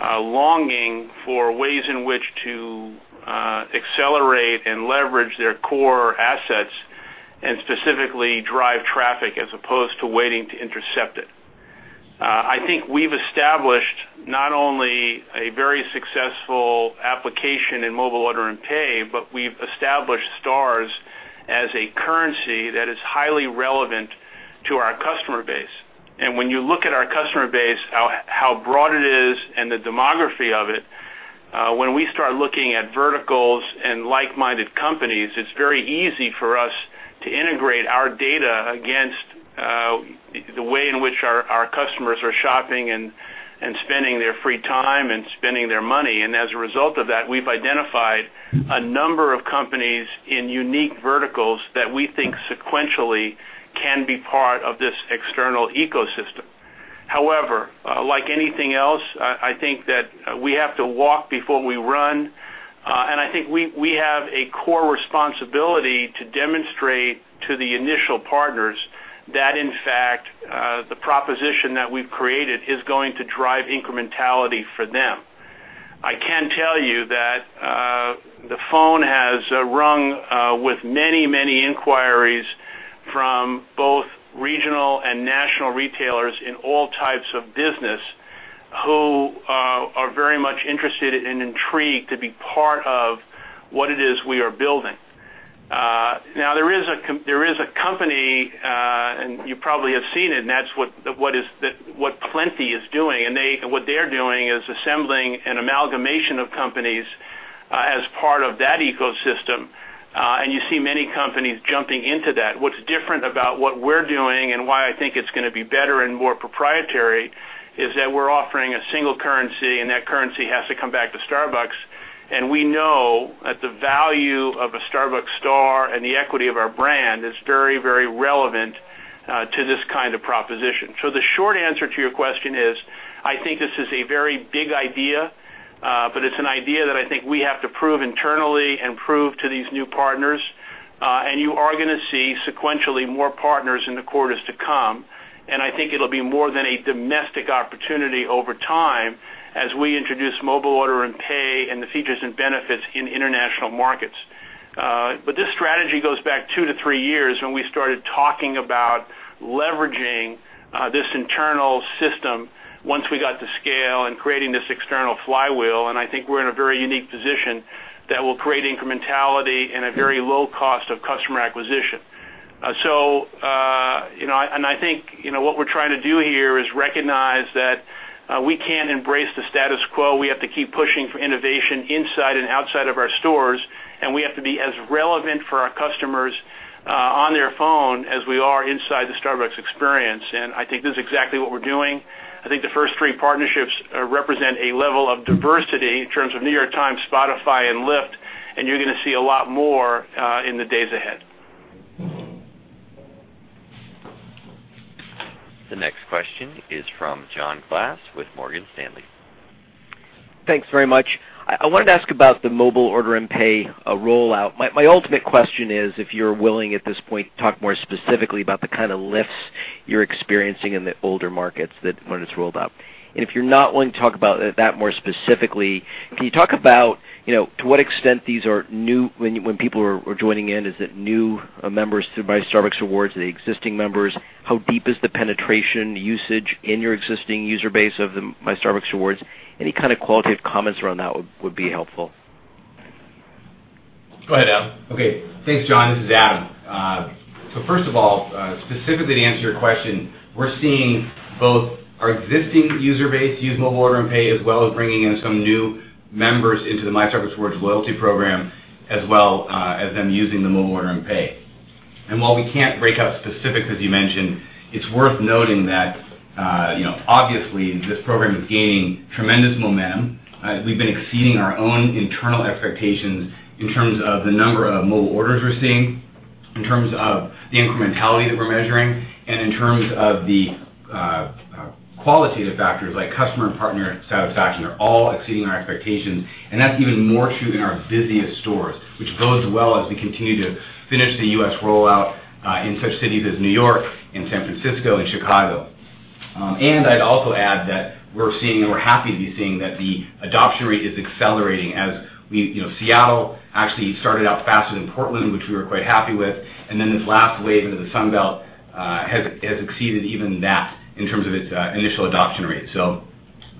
longing for ways in which to accelerate and leverage their core assets and specifically drive traffic as opposed to waiting to intercept it. I think we've established not only a very successful application in Mobile Order & Pay, but we've established Stars as a currency that is highly relevant to our customer base. When you look at our customer base, how broad it is and the demography of it, when we start looking at verticals and like-minded companies, it's very easy for us to integrate our data against the way in which our customers are shopping and spending their free time and spending their money. As a result of that, we've identified a number of companies in unique verticals that we think sequentially can be part of this external ecosystem. However, like anything else, I think that we have to walk before we run. I think we have a core responsibility to demonstrate to the initial partners that, in fact, the proposition that we've created is going to drive incrementality for them. I can tell you that the phone has rung with many inquiries from both regional and national retailers in all types of business who are very much interested and intrigued to be part of what it is we are building. There is a company, and you probably have seen it, and that's what Plenti is doing. What they're doing is assembling an amalgamation of companies as part of that ecosystem, and you see many companies jumping into that. What's different about what we're doing and why I think it's going to be better and more proprietary is that we're offering a single currency, and that currency has to come back to Starbucks. We know that the value of a Starbucks Star and the equity of our brand is very relevant to this kind of proposition. The short answer to your question is, I think this is a very big idea, but it's an idea that I think we have to prove internally and prove to these new partners. You are going to see sequentially more partners in the quarters to come, and I think it'll be more than a domestic opportunity over time as we introduce Mobile Order & Pay and the features and benefits in international markets. This strategy goes back two to three years when we started talking about leveraging this internal system once we got to scale and creating this external flywheel. I think we're in a very unique position that will create incrementality and a very low cost of customer acquisition. I think what we're trying to do here is recognize that we can't embrace the status quo. We have to keep pushing for innovation inside and outside of our stores, and we have to be as relevant for our customers on their phone as we are inside the Starbucks Experience. I think this is exactly what we're doing. I think the first three partnerships represent a level of diversity in terms of New York Times, Spotify, and Lyft, and you're going to see a lot more in the days ahead. The next question is from John Glass with Morgan Stanley. Thanks very much. I wanted to ask about the Mobile Order & Pay rollout. My ultimate question is if you're willing, at this point, to talk more specifically about the kind of lifts you're experiencing in the older markets when it's rolled out. If you're not willing to talk about that more specifically, can you talk about to what extent these are new when people are joining in, is it new members through My Starbucks Rewards? Are they existing members? How deep is the penetration usage in your existing user base of the My Starbucks Rewards? Any kind of qualitative comments around that would be helpful. Go ahead, Adam. Okay. Thanks, John. This is Adam. First of all, specifically to answer your question, we're seeing both our existing user base use Mobile Order & Pay, as well as bringing in some new members into the My Starbucks Rewards loyalty program, as well as them using the Mobile Order & Pay. While we can't break out specifics, as you mentioned, it's worth noting that obviously this program is gaining tremendous momentum. We've been exceeding our own internal expectations in terms of the number of mobile orders we're seeing, in terms of the incrementality that we're measuring, and in terms of the qualitative factors like customer and partner satisfaction, are all exceeding our expectations. That's even more true in our busiest stores, which bodes well as we continue to finish the U.S. rollout in such cities as New York and San Francisco and Chicago. I'd also add that we're seeing, and we're happy to be seeing, that the adoption rate is accelerating as we Seattle actually started out faster than Portland, which we were quite happy with. This last wave into the Sun Belt has exceeded even that in terms of its initial adoption rate.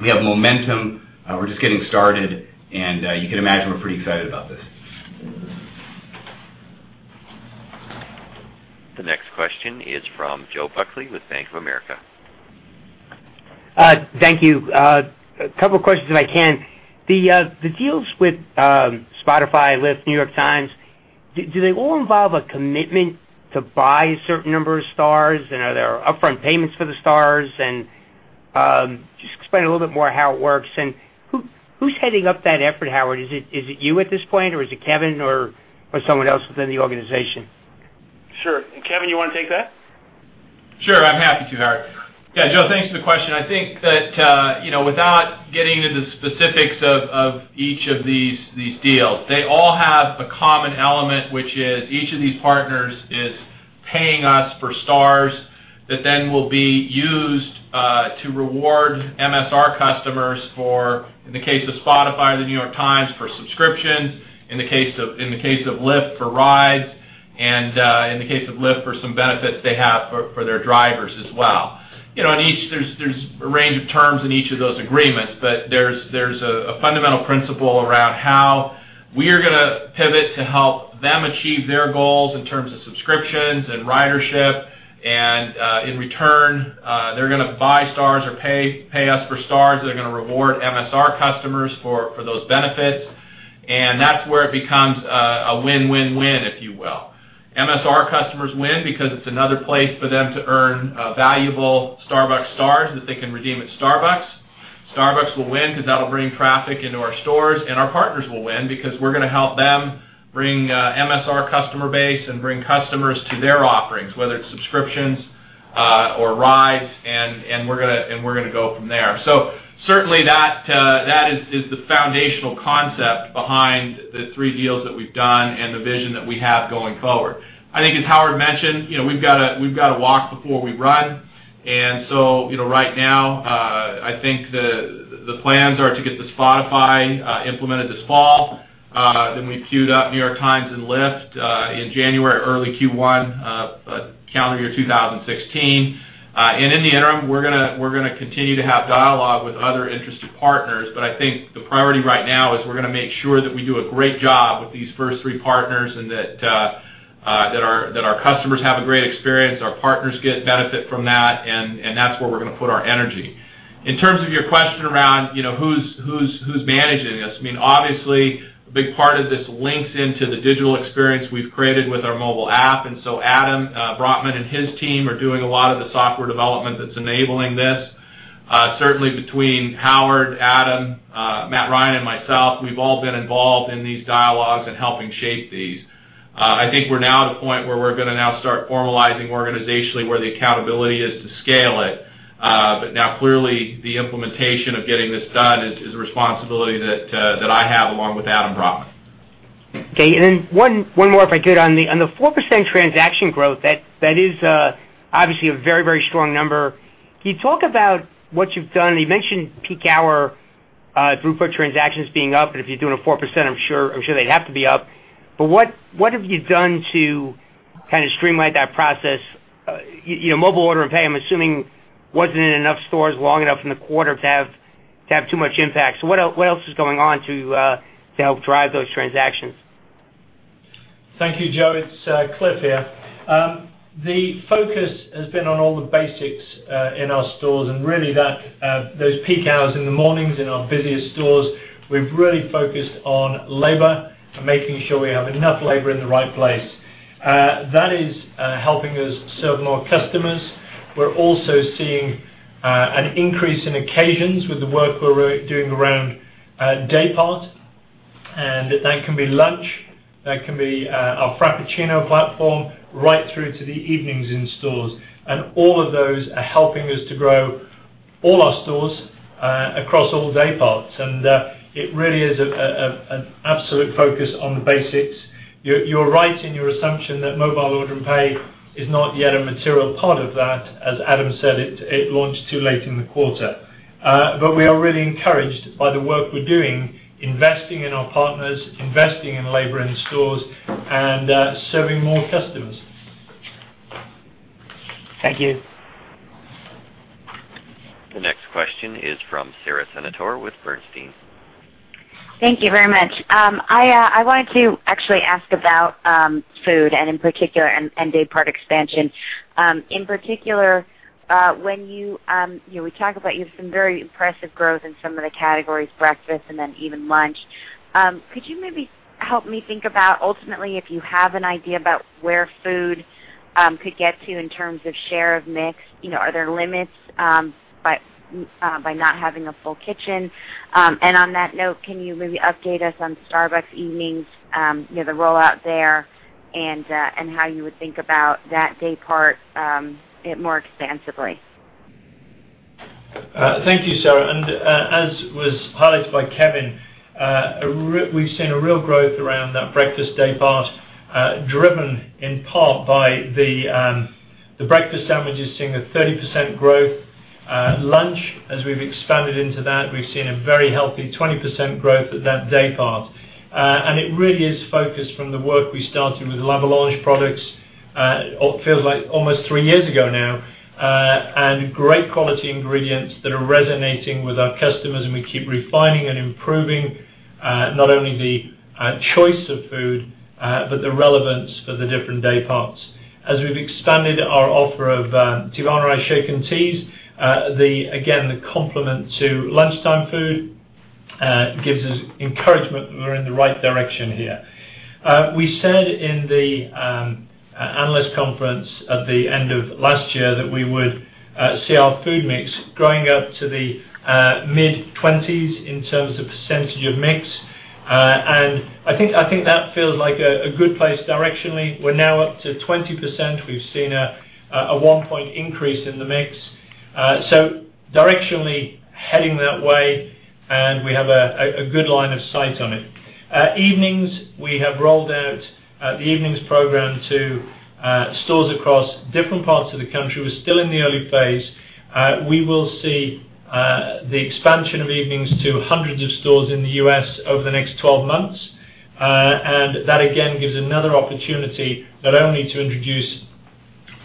We have momentum. We're just getting started, and you can imagine we're pretty excited about this. The next question is from Joseph Buckley with Bank of America. Thank you. A couple questions if I can. The deals with Spotify, Lyft, New York Times? Do they all involve a commitment to buy a certain number of Stars? Are there upfront payments for the Stars? Just explain a little bit more how it works. Who's heading up that effort, Howard? Is it you at this point, or is it Kevin, or someone else within the organization? Sure. Kevin, you want to take that? Sure. I'm happy to, Howard. Yeah, Joe, thanks for the question. I think that without getting into the specifics of each of these deals, they all have a common element, which is each of these partners is paying us for Stars that then will be used to reward MSR customers for, in the case of Spotify or The New York Times, for subscriptions, in the case of Lyft, for rides, and in the case of Lyft, for some benefits they have for their drivers as well. There's a range of terms in each of those agreements, but there's a fundamental principle around how we are going to pivot to help them achieve their goals in terms of subscriptions and ridership. In return, they're going to buy Stars or pay us for Stars. They're going to reward MSR customers for those benefits. That's where it becomes a win-win-win, if you will. MSR customers win because it's another place for them to earn valuable Starbucks Stars that they can redeem at Starbucks. Starbucks will win because that'll bring traffic into our stores, and our partners will win because we're going to help them bring MSR customer base and bring customers to their offerings, whether it's subscriptions or rides, and we're going to go from there. Certainly that is the foundational concept behind the three deals that we've done and the vision that we have going forward. I think as Howard mentioned, we've got to walk before we run. Right now, I think the plans are to get the Spotify implemented this fall, then we've cued up New York Times and Lyft in January, early Q1, calendar year 2016. In the interim, we're going to continue to have dialogue with other interested partners, but I think the priority right now is we're going to make sure that we do a great job with these first three partners and that our customers have a great experience, our partners get benefit from that, and that's where we're going to put our energy. In terms of your question around who's managing this, obviously, a big part of this links into the digital experience we've created with our mobile app, Adam Brotman and his team are doing a lot of the software development that's enabling this. Between Howard, Adam, Matthew Ryan, and myself, we've all been involved in these dialogues and helping shape these. I think we're now at a point where we're going to now start formalizing organizationally where the accountability is to scale it. Now clearly the implementation of getting this done is a responsibility that I have along with Adam Brotman. Okay. Then one more, if I could. On the 4% transaction growth, that is obviously a very strong number. Can you talk about what you've done? You mentioned peak hour throughput transactions being up, and if you're doing a 4%, I'm sure they'd have to be up. What have you done to kind of streamline that process? Mobile Order & Pay, I'm assuming wasn't in enough stores long enough in the quarter to have too much impact. What else is going on to help drive those transactions? Thank you, Joe. It's Cliff here. The focus has been on all the basics in our stores and really those peak hours in the mornings in our busiest stores, we've really focused on labor and making sure we have enough labor in the right place. That is helping us serve more customers. We're also seeing an increase in occasions with the work we're doing around day part, and that can be lunch, that can be our Frappuccino platform, right through to the evenings in stores. And all of those are helping us to grow all our stores across all day parts. It really is an absolute focus on the basics. You're right in your assumption that Mobile Order & Pay is not yet a material part of that. As Adam said, it launched too late in the quarter. We are really encouraged by the work we're doing, investing in our partners, investing in labor in stores, and serving more customers. Thank you. The next question is from Sara Senatore with Bernstein. Thank you very much. I wanted to actually ask about food and in particular, and day part expansion. In particular, we talk about you have some very impressive growth in some of the categories, breakfast and then even lunch. Could you maybe help me think about ultimately if you have an idea about where food could get to in terms of share of mix? Are there limits by not having a full kitchen? On that note, can you maybe update us on Starbucks Evenings, the rollout there, and how you would think about that day part more expansively? Thank you, Sara, as was highlighted by Kevin, we've seen a real growth around that breakfast day part, driven in part by the breakfast sandwiches seeing a 30% growth. Lunch, as we've expanded into that, we've seen a very healthy 20% growth at that day part. It really is focused from the work we started with La Boulange products, feels like almost three years ago now, and great quality ingredients that are resonating with our customers, and we keep refining and improving not only the choice of food, but the relevance for the different day parts. As we've expanded our offer of Teavana shaken teas, again, the complement to lunchtime food gives us encouragement that we're in the right direction here. We said in the analyst conference at the end of last year that we would see our food mix growing up to the mid-20s in terms of % of mix. I think that feels like a good place directionally. We're now up to 20%. We've seen a one-point increase in the mix. Directionally heading that way, and we have a good line of sight on it. Evenings, we have rolled out the Evenings program to stores across different parts of the country. We're still in the early phase. We will see the expansion of Evenings to hundreds of stores in the U.S. over the next 12 months. That again, gives another opportunity not only to introduce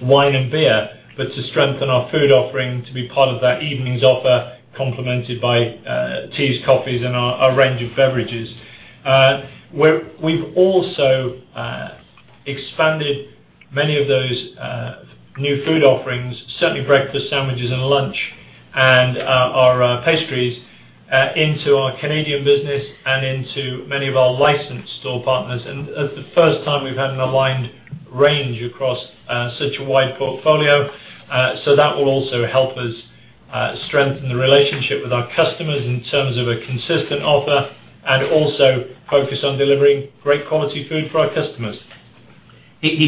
wine and beer, but to strengthen our food offering to be part of that Evenings offer, complemented by teas, coffees, and our range of beverages. We've also expanded many of those new food offerings, certainly breakfast sandwiches and lunch, and our pastries, into our Canadian business and into many of our licensed store partners. The first time we've had an aligned range across such a wide portfolio. That will also help us strengthen the relationship with our customers in terms of a consistent offer, and also focus on delivering great quality food for our customers.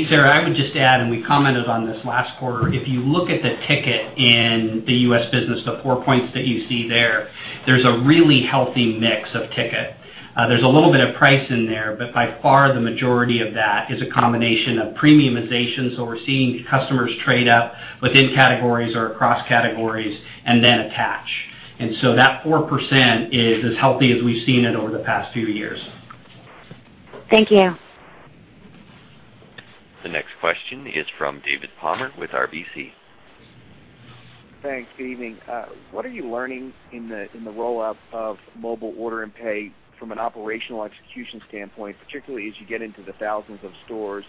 Sara, I would just add, we commented on this last quarter, if you look at the ticket in the U.S. business, the four points that you see there's a really healthy mix of ticket. There's a little bit of price in there, but by far the majority of that is a combination of premiumization. We're seeing customers trade up within categories or across categories and then attach. That 4% is as healthy as we've seen it over the past few years. Thank you. The next question is from David Palmer with RBC. Thanks. Good evening. What are you learning in the roll-out of Mobile Order & Pay from an operational execution standpoint, particularly as you get into the thousands of stores?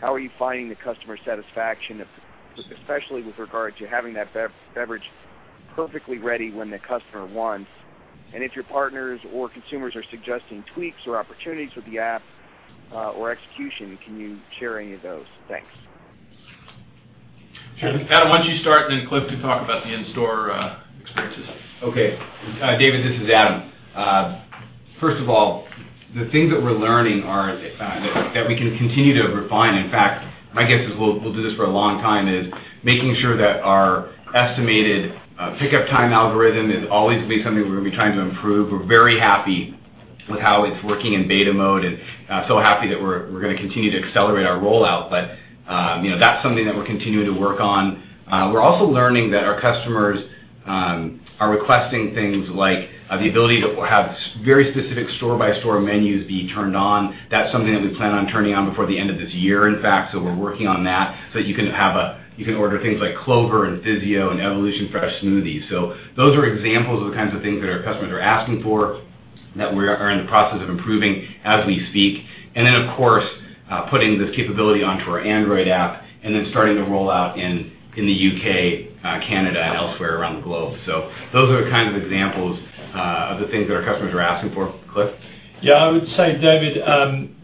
How are you finding the customer satisfaction, especially with regard to having that beverage perfectly ready when the customer wants? If your partners or consumers are suggesting tweaks or opportunities with the app or execution, can you share any of those? Thanks. Sure. Adam, why don't you start, and then Cliff can talk about the in-store experiences. Okay. David, this is Adam. First of all, the things that we're learning are that we can continue to refine. In fact, my guess is we'll do this for a long time, is making sure that our estimated pickup time algorithm is always going to be something we're going to be trying to improve. We're very happy with how it's working in beta mode and so happy that we're going to continue to accelerate our rollout. That's something that we're continuing to work on. We're also learning that our customers are requesting things like the ability to have very specific store-by-store menus be turned on. That's something that we plan on turning on before the end of this year, in fact, so we're working on that. You can order things like Clover and Vivanno and Evolution Fresh smoothies. Those are examples of the kinds of things that our customers are asking for that we are in the process of improving as we speak. Of course, putting this capability onto our Android app and then starting to roll out in the U.K., Canada, and elsewhere around the globe. Those are the kinds of examples of the things that our customers are asking for. Cliff? Yeah, I would say, David,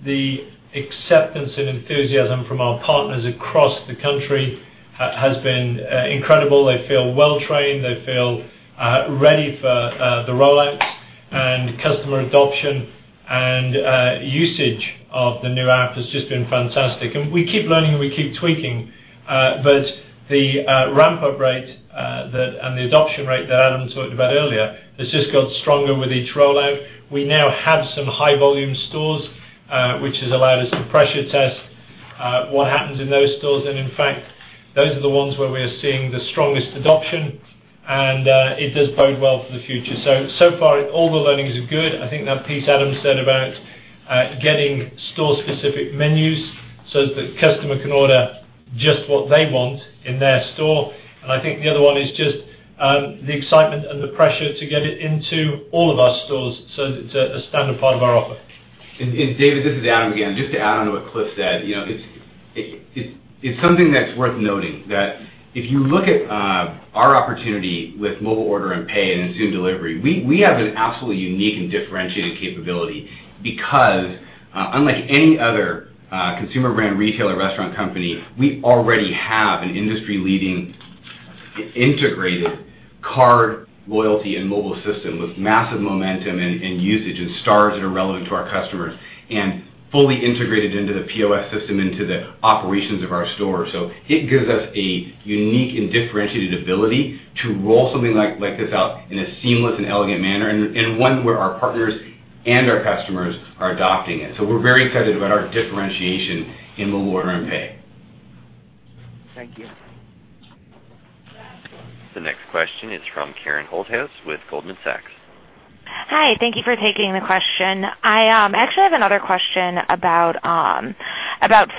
the acceptance and enthusiasm from our partners across the country has been incredible. They feel well trained. They feel ready for the rollout, and customer adoption and usage of the new app has just been fantastic. We keep learning, and we keep tweaking. The ramp-up rate and the adoption rate that Adam talked about earlier has just got stronger with each rollout. We now have some high volume stores, which has allowed us to pressure test what happens in those stores, and in fact, those are the ones where we are seeing the strongest adoption, and it does bode well for the future. So far, all the learnings are good. I think the piece Adam said about getting store-specific menus so that the customer can order just what they want in their store. I think the other one is just the excitement and the pressure to get it into all of our stores so that it's a standard part of our offer. David, this is Adam again, just to add on to what Cliff said. It's something that's worth noting that if you look at our opportunity with Mobile Order & Pay and soon delivery, we have an absolutely unique and differentiated capability because unlike any other consumer brand retailer restaurant company, we already have an industry-leading integrated card loyalty and mobile system with massive momentum and usage and stars that are relevant to our customers and fully integrated into the POS system, into the operations of our stores. It gives us a unique and differentiated ability to roll something like this out in a seamless and elegant manner and in one where our partners and our customers are adopting it. We're very excited about our differentiation in Mobile Order & Pay. Thank you. The next question is from Karen Holthouse with Goldman Sachs. Hi. Thank you for taking the question. I actually have another question about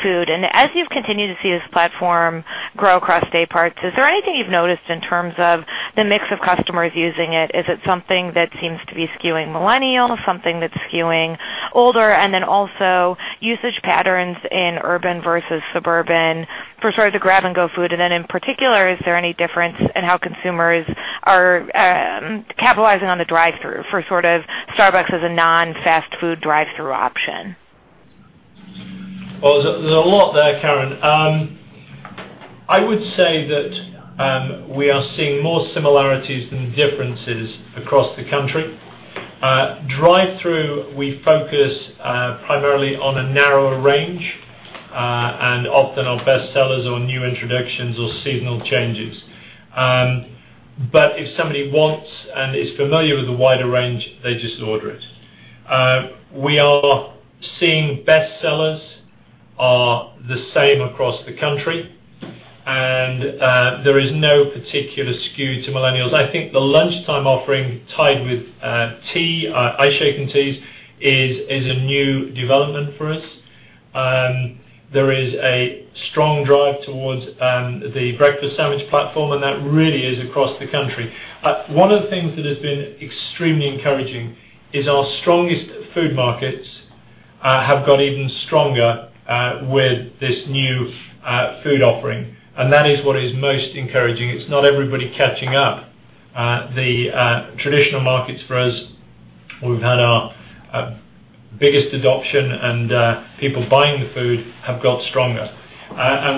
food. As you've continued to see this platform grow across day parts, is there anything you've noticed in terms of the mix of customers using it? Is it something that seems to be skewing millennial, something that's skewing older? Also usage patterns in urban versus suburban for sort of the grab-and-go food. In particular, is there any difference in how consumers are capitalizing on the drive-thru for sort of Starbucks as a non-fast food drive-thru option? Well, there's a lot there, Karen. I would say that we are seeing more similarities than differences across the country. Drive-thru, we focus primarily on a narrower range, and often on bestsellers or new introductions or seasonal changes. If somebody wants and is familiar with the wider range, they just order it. We are seeing bestsellers are the same across the country, and there is no particular skew to millennials. I think the lunchtime offering tied with tea, our ice-shaken teas, is a new development for us. There is a strong drive towards the breakfast sandwich platform, and that really is across the country. One of the things that has been extremely encouraging is our strongest food markets have got even stronger with this new food offering, and that is what is most encouraging. It's not everybody catching up. The traditional markets for us, where we've had our biggest adoption and people buying the food, have got stronger.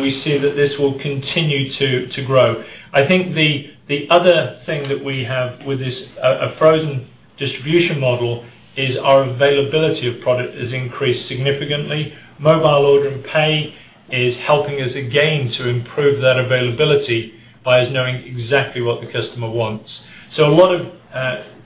We see that this will continue to grow. I think the other thing that we have with this, a frozen distribution model, is our availability of product has increased significantly. Mobile Order & Pay is helping us again to improve that availability by us knowing exactly what the customer wants. A lot of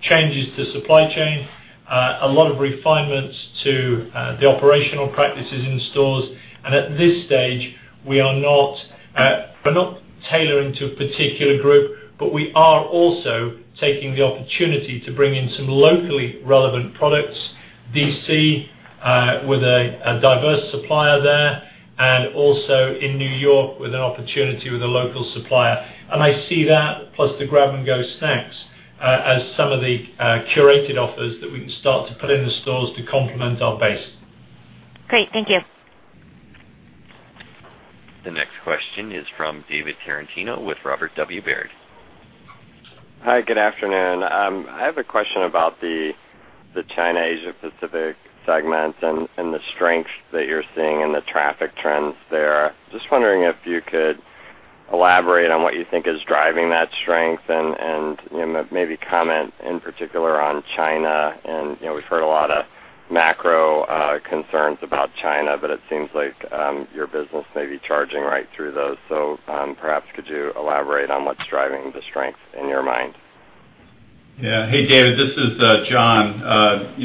changes to supply chain, a lot of refinements to the operational practices in stores. At this stage, we're not tailoring to a particular group, but we are also taking the opportunity to bring in some locally relevant products, D.C., with a diverse supplier there, and also in New York with an opportunity with a local supplier. I see that, plus the grab-and-go snacks, as some of the curated offers that we can start to put in the stores to complement our base. Great. Thank you. The next question is from David Tarantino with Robert W. Baird. Hi, good afternoon. I have a question about the China/Asia Pacific segment and the strength that you're seeing in the traffic trends there. Just wondering if you could elaborate on what you think is driving that strength and maybe comment in particular on China. We've heard a lot of macro concerns about China, but it seems like your business may be charging right through those. Perhaps could you elaborate on what's driving the strength in your mind? Yeah. Hey, David, this is John.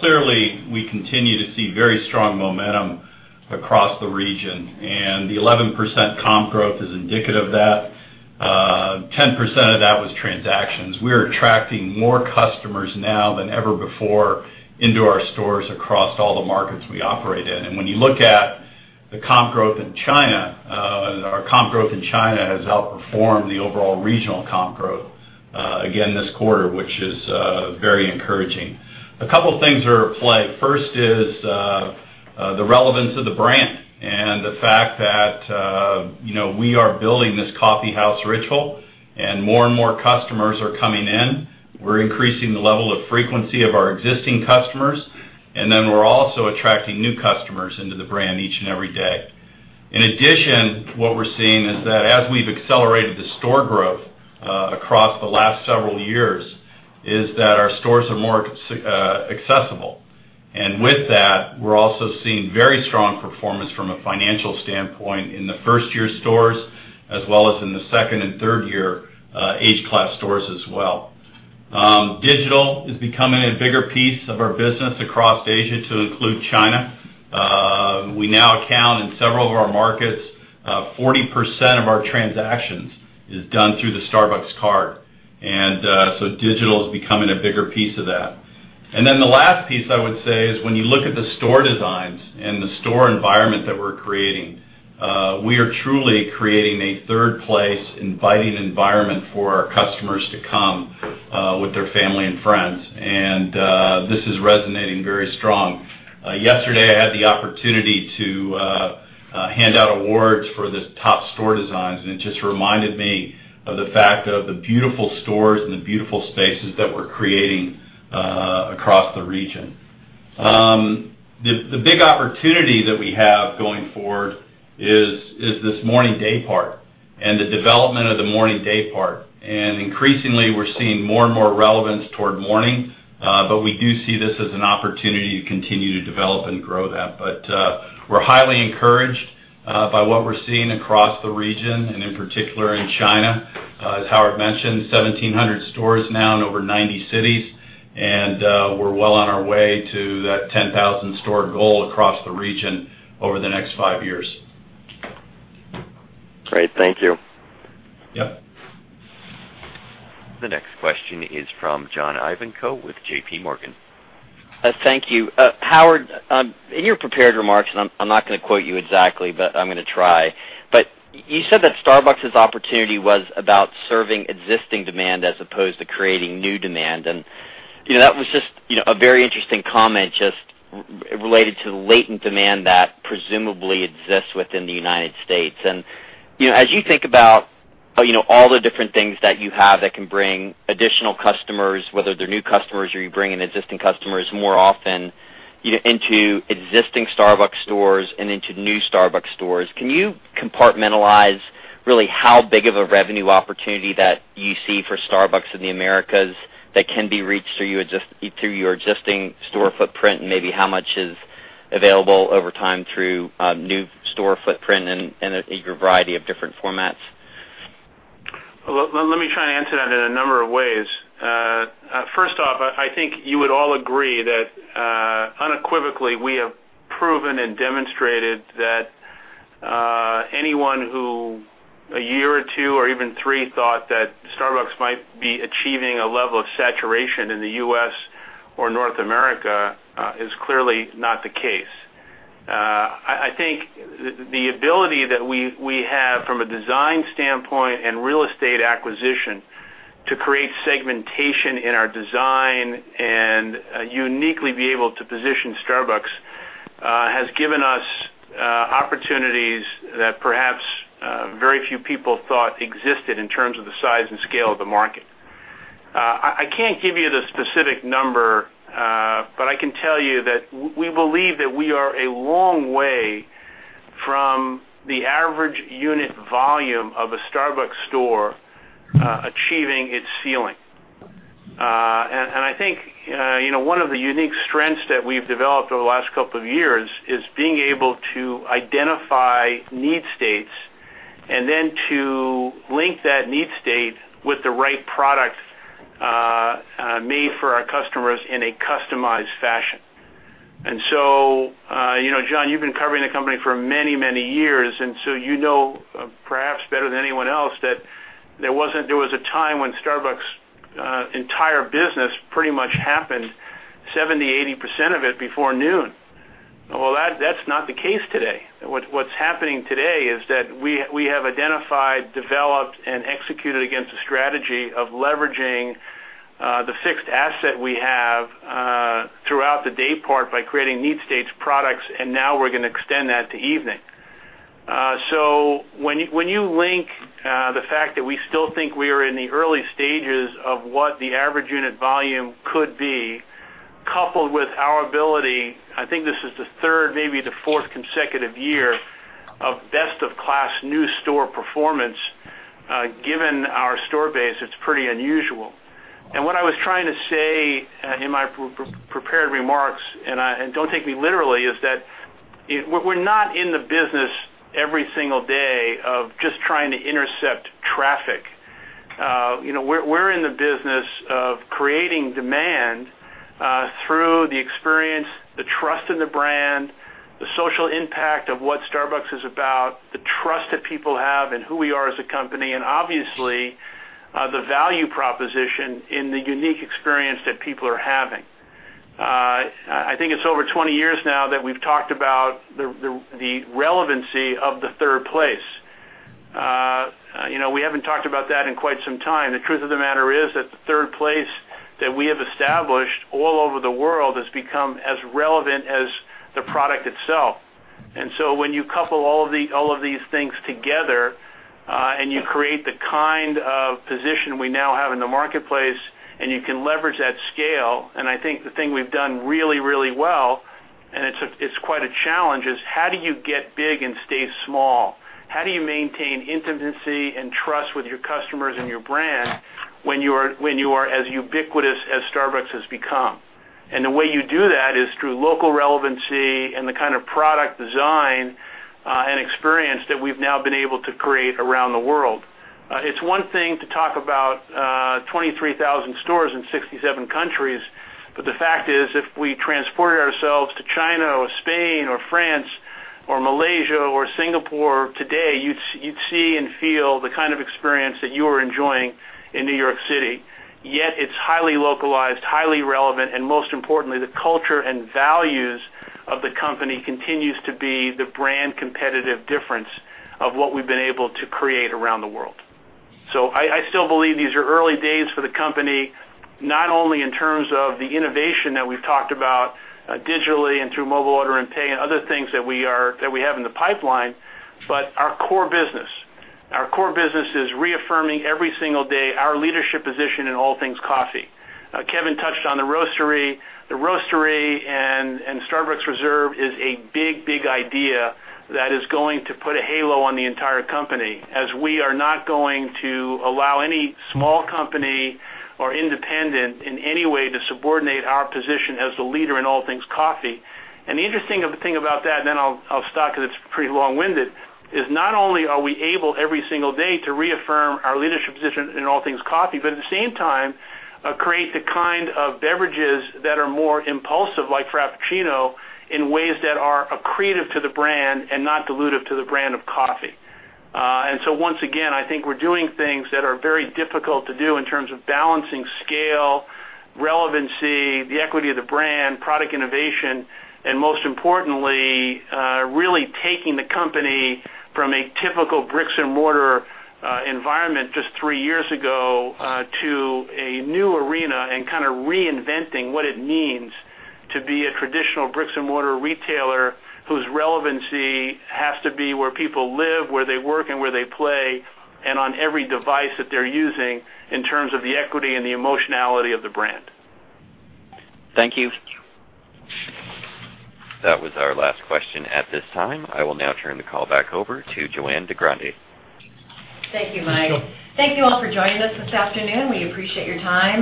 Clearly, we continue to see very strong momentum across the region, and the 11% comp growth is indicative of that. 10% of that was transactions. We are attracting more customers now than ever before into our stores across all the markets we operate in. When you look at the comp growth in China, our comp growth in China has outperformed the overall regional comp growth again this quarter, which is very encouraging. A couple things are at play. First is the relevance of the brand and the fact that we are building this coffee house ritual, and more and more customers are coming in. We're increasing the level of frequency of our existing customers, and then we're also attracting new customers into the brand each and every day. In addition, what we're seeing is that as we've accelerated the store growth across the last several years, is that our stores are more accessible. With that, we're also seeing very strong performance from a financial standpoint in the first-year stores, as well as in the second and third-year age class stores as well. Digital is becoming a bigger piece of our business across Asia to include China. We now account in several of our markets, 40% of our transactions is done through the Starbucks Card. So digital's becoming a bigger piece of that. The last piece I would say is when you look at the store designs and the store environment that we're creating, we are truly creating a third place inviting environment for our customers to come with their family and friends. This is resonating very strong. Yesterday, I had the opportunity to hand out awards for the top store designs, and it just reminded me of the fact of the beautiful stores and the beautiful spaces that we're creating across the region. The big opportunity that we have going forward is this morning day part and the development of the morning day part. Increasingly, we're seeing more and more relevance toward morning. We do see this as an opportunity to continue to develop and grow that. We're highly encouraged by what we're seeing across the region and in particular in China. As Howard mentioned, 1,700 stores now in over 90 cities, and we're well on our way to that 10,000-store goal across the region over the next five years. Great. Thank you. Yep. The next question is from John Ivankoe with J.P. Morgan. Thank you. Howard, in your prepared remarks, and I'm not going to quote you exactly, but I'm going to try, but you said that Starbucks' opportunity was about serving existing demand as opposed to creating new demand. That was just a very interesting comment, just related to the latent demand that presumably exists within the United States. As you think about all the different things that you have that can bring additional customers, whether they're new customers or you're bringing existing customers more often into existing Starbucks stores and into new Starbucks stores. Can you compartmentalize really how big of a revenue opportunity that you see for Starbucks in the Americas that can be reached through your existing store footprint, and maybe how much is available over time through new store footprint and your variety of different formats? Well, let me try and answer that in a number of ways. First off, I think you would all agree that unequivocally, we have proven and demonstrated that anyone who, a year or two or even three, thought that Starbucks might be achieving a level of saturation in the U.S. or North America is clearly not the case. I think the ability that we have from a design standpoint and real estate acquisition to create segmentation in our design and uniquely be able to position Starbucks has given us opportunities that perhaps very few people thought existed in terms of the size and scale of the market. I can't give you the specific number, but I can tell you that we believe that we are a long way from the average unit volume of a Starbucks store achieving its ceiling. I think one of the unique strengths that we've developed over the last couple of years is being able to identify need states and then to link that need state with the right product made for our customers in a customized fashion. John, you've been covering the company for many years, you know perhaps better than anyone else that there was a time when Starbucks' entire business pretty much happened, 70%, 80% of it, before noon. Well, that's not the case today. What's happening today is that we have identified, developed, and executed against a strategy of leveraging the fixed asset we have throughout the day part by creating need state products, and now we're going to extend that to evening. When you link the fact that we still think we are in the early stages of what the average unit volume could be, coupled with our ability, I think this is the third, maybe the fourth consecutive year of best of class new store performance. Given our store base, it's pretty unusual. What I was trying to say in my prepared remarks, and don't take me literally, is that we're not in the business every single day of just trying to intercept traffic. We're in the business of creating demand through the experience, the trust in the brand, the social impact of what Starbucks is about, the trust that people have in who we are as a company, and obviously, the value proposition in the unique experience that people are having. I think it's over 20 years now that we've talked about the relevancy of the third place. We haven't talked about that in quite some time. The truth of the matter is that the third place that we have established all over the world has become as relevant as the product itself. When you couple all of these things together and you create the kind of position we now have in the marketplace, you can leverage that scale, I think the thing we've done really well, and it's quite a challenge, is how do you get big and stay small? How do you maintain intimacy and trust with your customers and your brand when you are as ubiquitous as Starbucks has become? The way you do that is through local relevancy and the kind of product design and experience that we've now been able to create around the world. It's one thing to talk about 23,000 stores in 67 countries. The fact is, if we transported ourselves to China or Spain or France or Malaysia or Singapore today, you'd see and feel the kind of experience that you are enjoying in New York City. Yet it's highly localized, highly relevant, and most importantly, the culture and values of the company continues to be the brand competitive difference of what we've been able to create around the world. I still believe these are early days for the company, not only in terms of the innovation that we've talked about digitally and through Mobile Order & Pay and other things that we have in the pipeline, but our core business. Our core business is reaffirming every single day our leadership position in all things coffee. Kevin touched on the roastery. The roastery and Starbucks Reserve is a big idea that is going to put a halo on the entire company, as we are not going to allow any small company or independent in any way to subordinate our position as the leader in all things coffee. The interesting thing about that, then I'll stop because it's pretty long-winded, is not only are we able every single day to reaffirm our leadership position in all things coffee, but at the same time, create the kind of beverages that are more impulsive, like Frappuccino, in ways that are accretive to the brand and not dilutive to the brand of coffee. Once again, I think we're doing things that are very difficult to do in terms of balancing scale, relevancy, the equity of the brand, product innovation, and most importantly, really taking the company from a typical bricks-and-mortar environment just three years ago to a new arena and kind of reinventing what it means to be a traditional bricks-and-mortar retailer whose relevancy has to be where people live, where they work, and where they play, and on every device that they're using in terms of the equity and the emotionality of the brand. Thank you. That was our last question at this time. I will now turn the call back over to JoAnn DeGrande. Thank you, Mike. Thank you all for joining us this afternoon. We appreciate your time.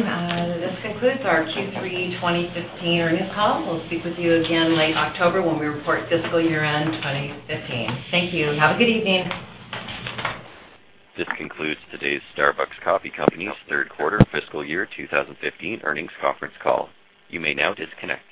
This concludes our Q3 2015 earnings call. We'll speak with you again late October when we report fiscal year-end 2015. Thank you. Have a good evening. This concludes today's Starbucks Coffee Company's third quarter fiscal year 2015 earnings conference call. You may now disconnect.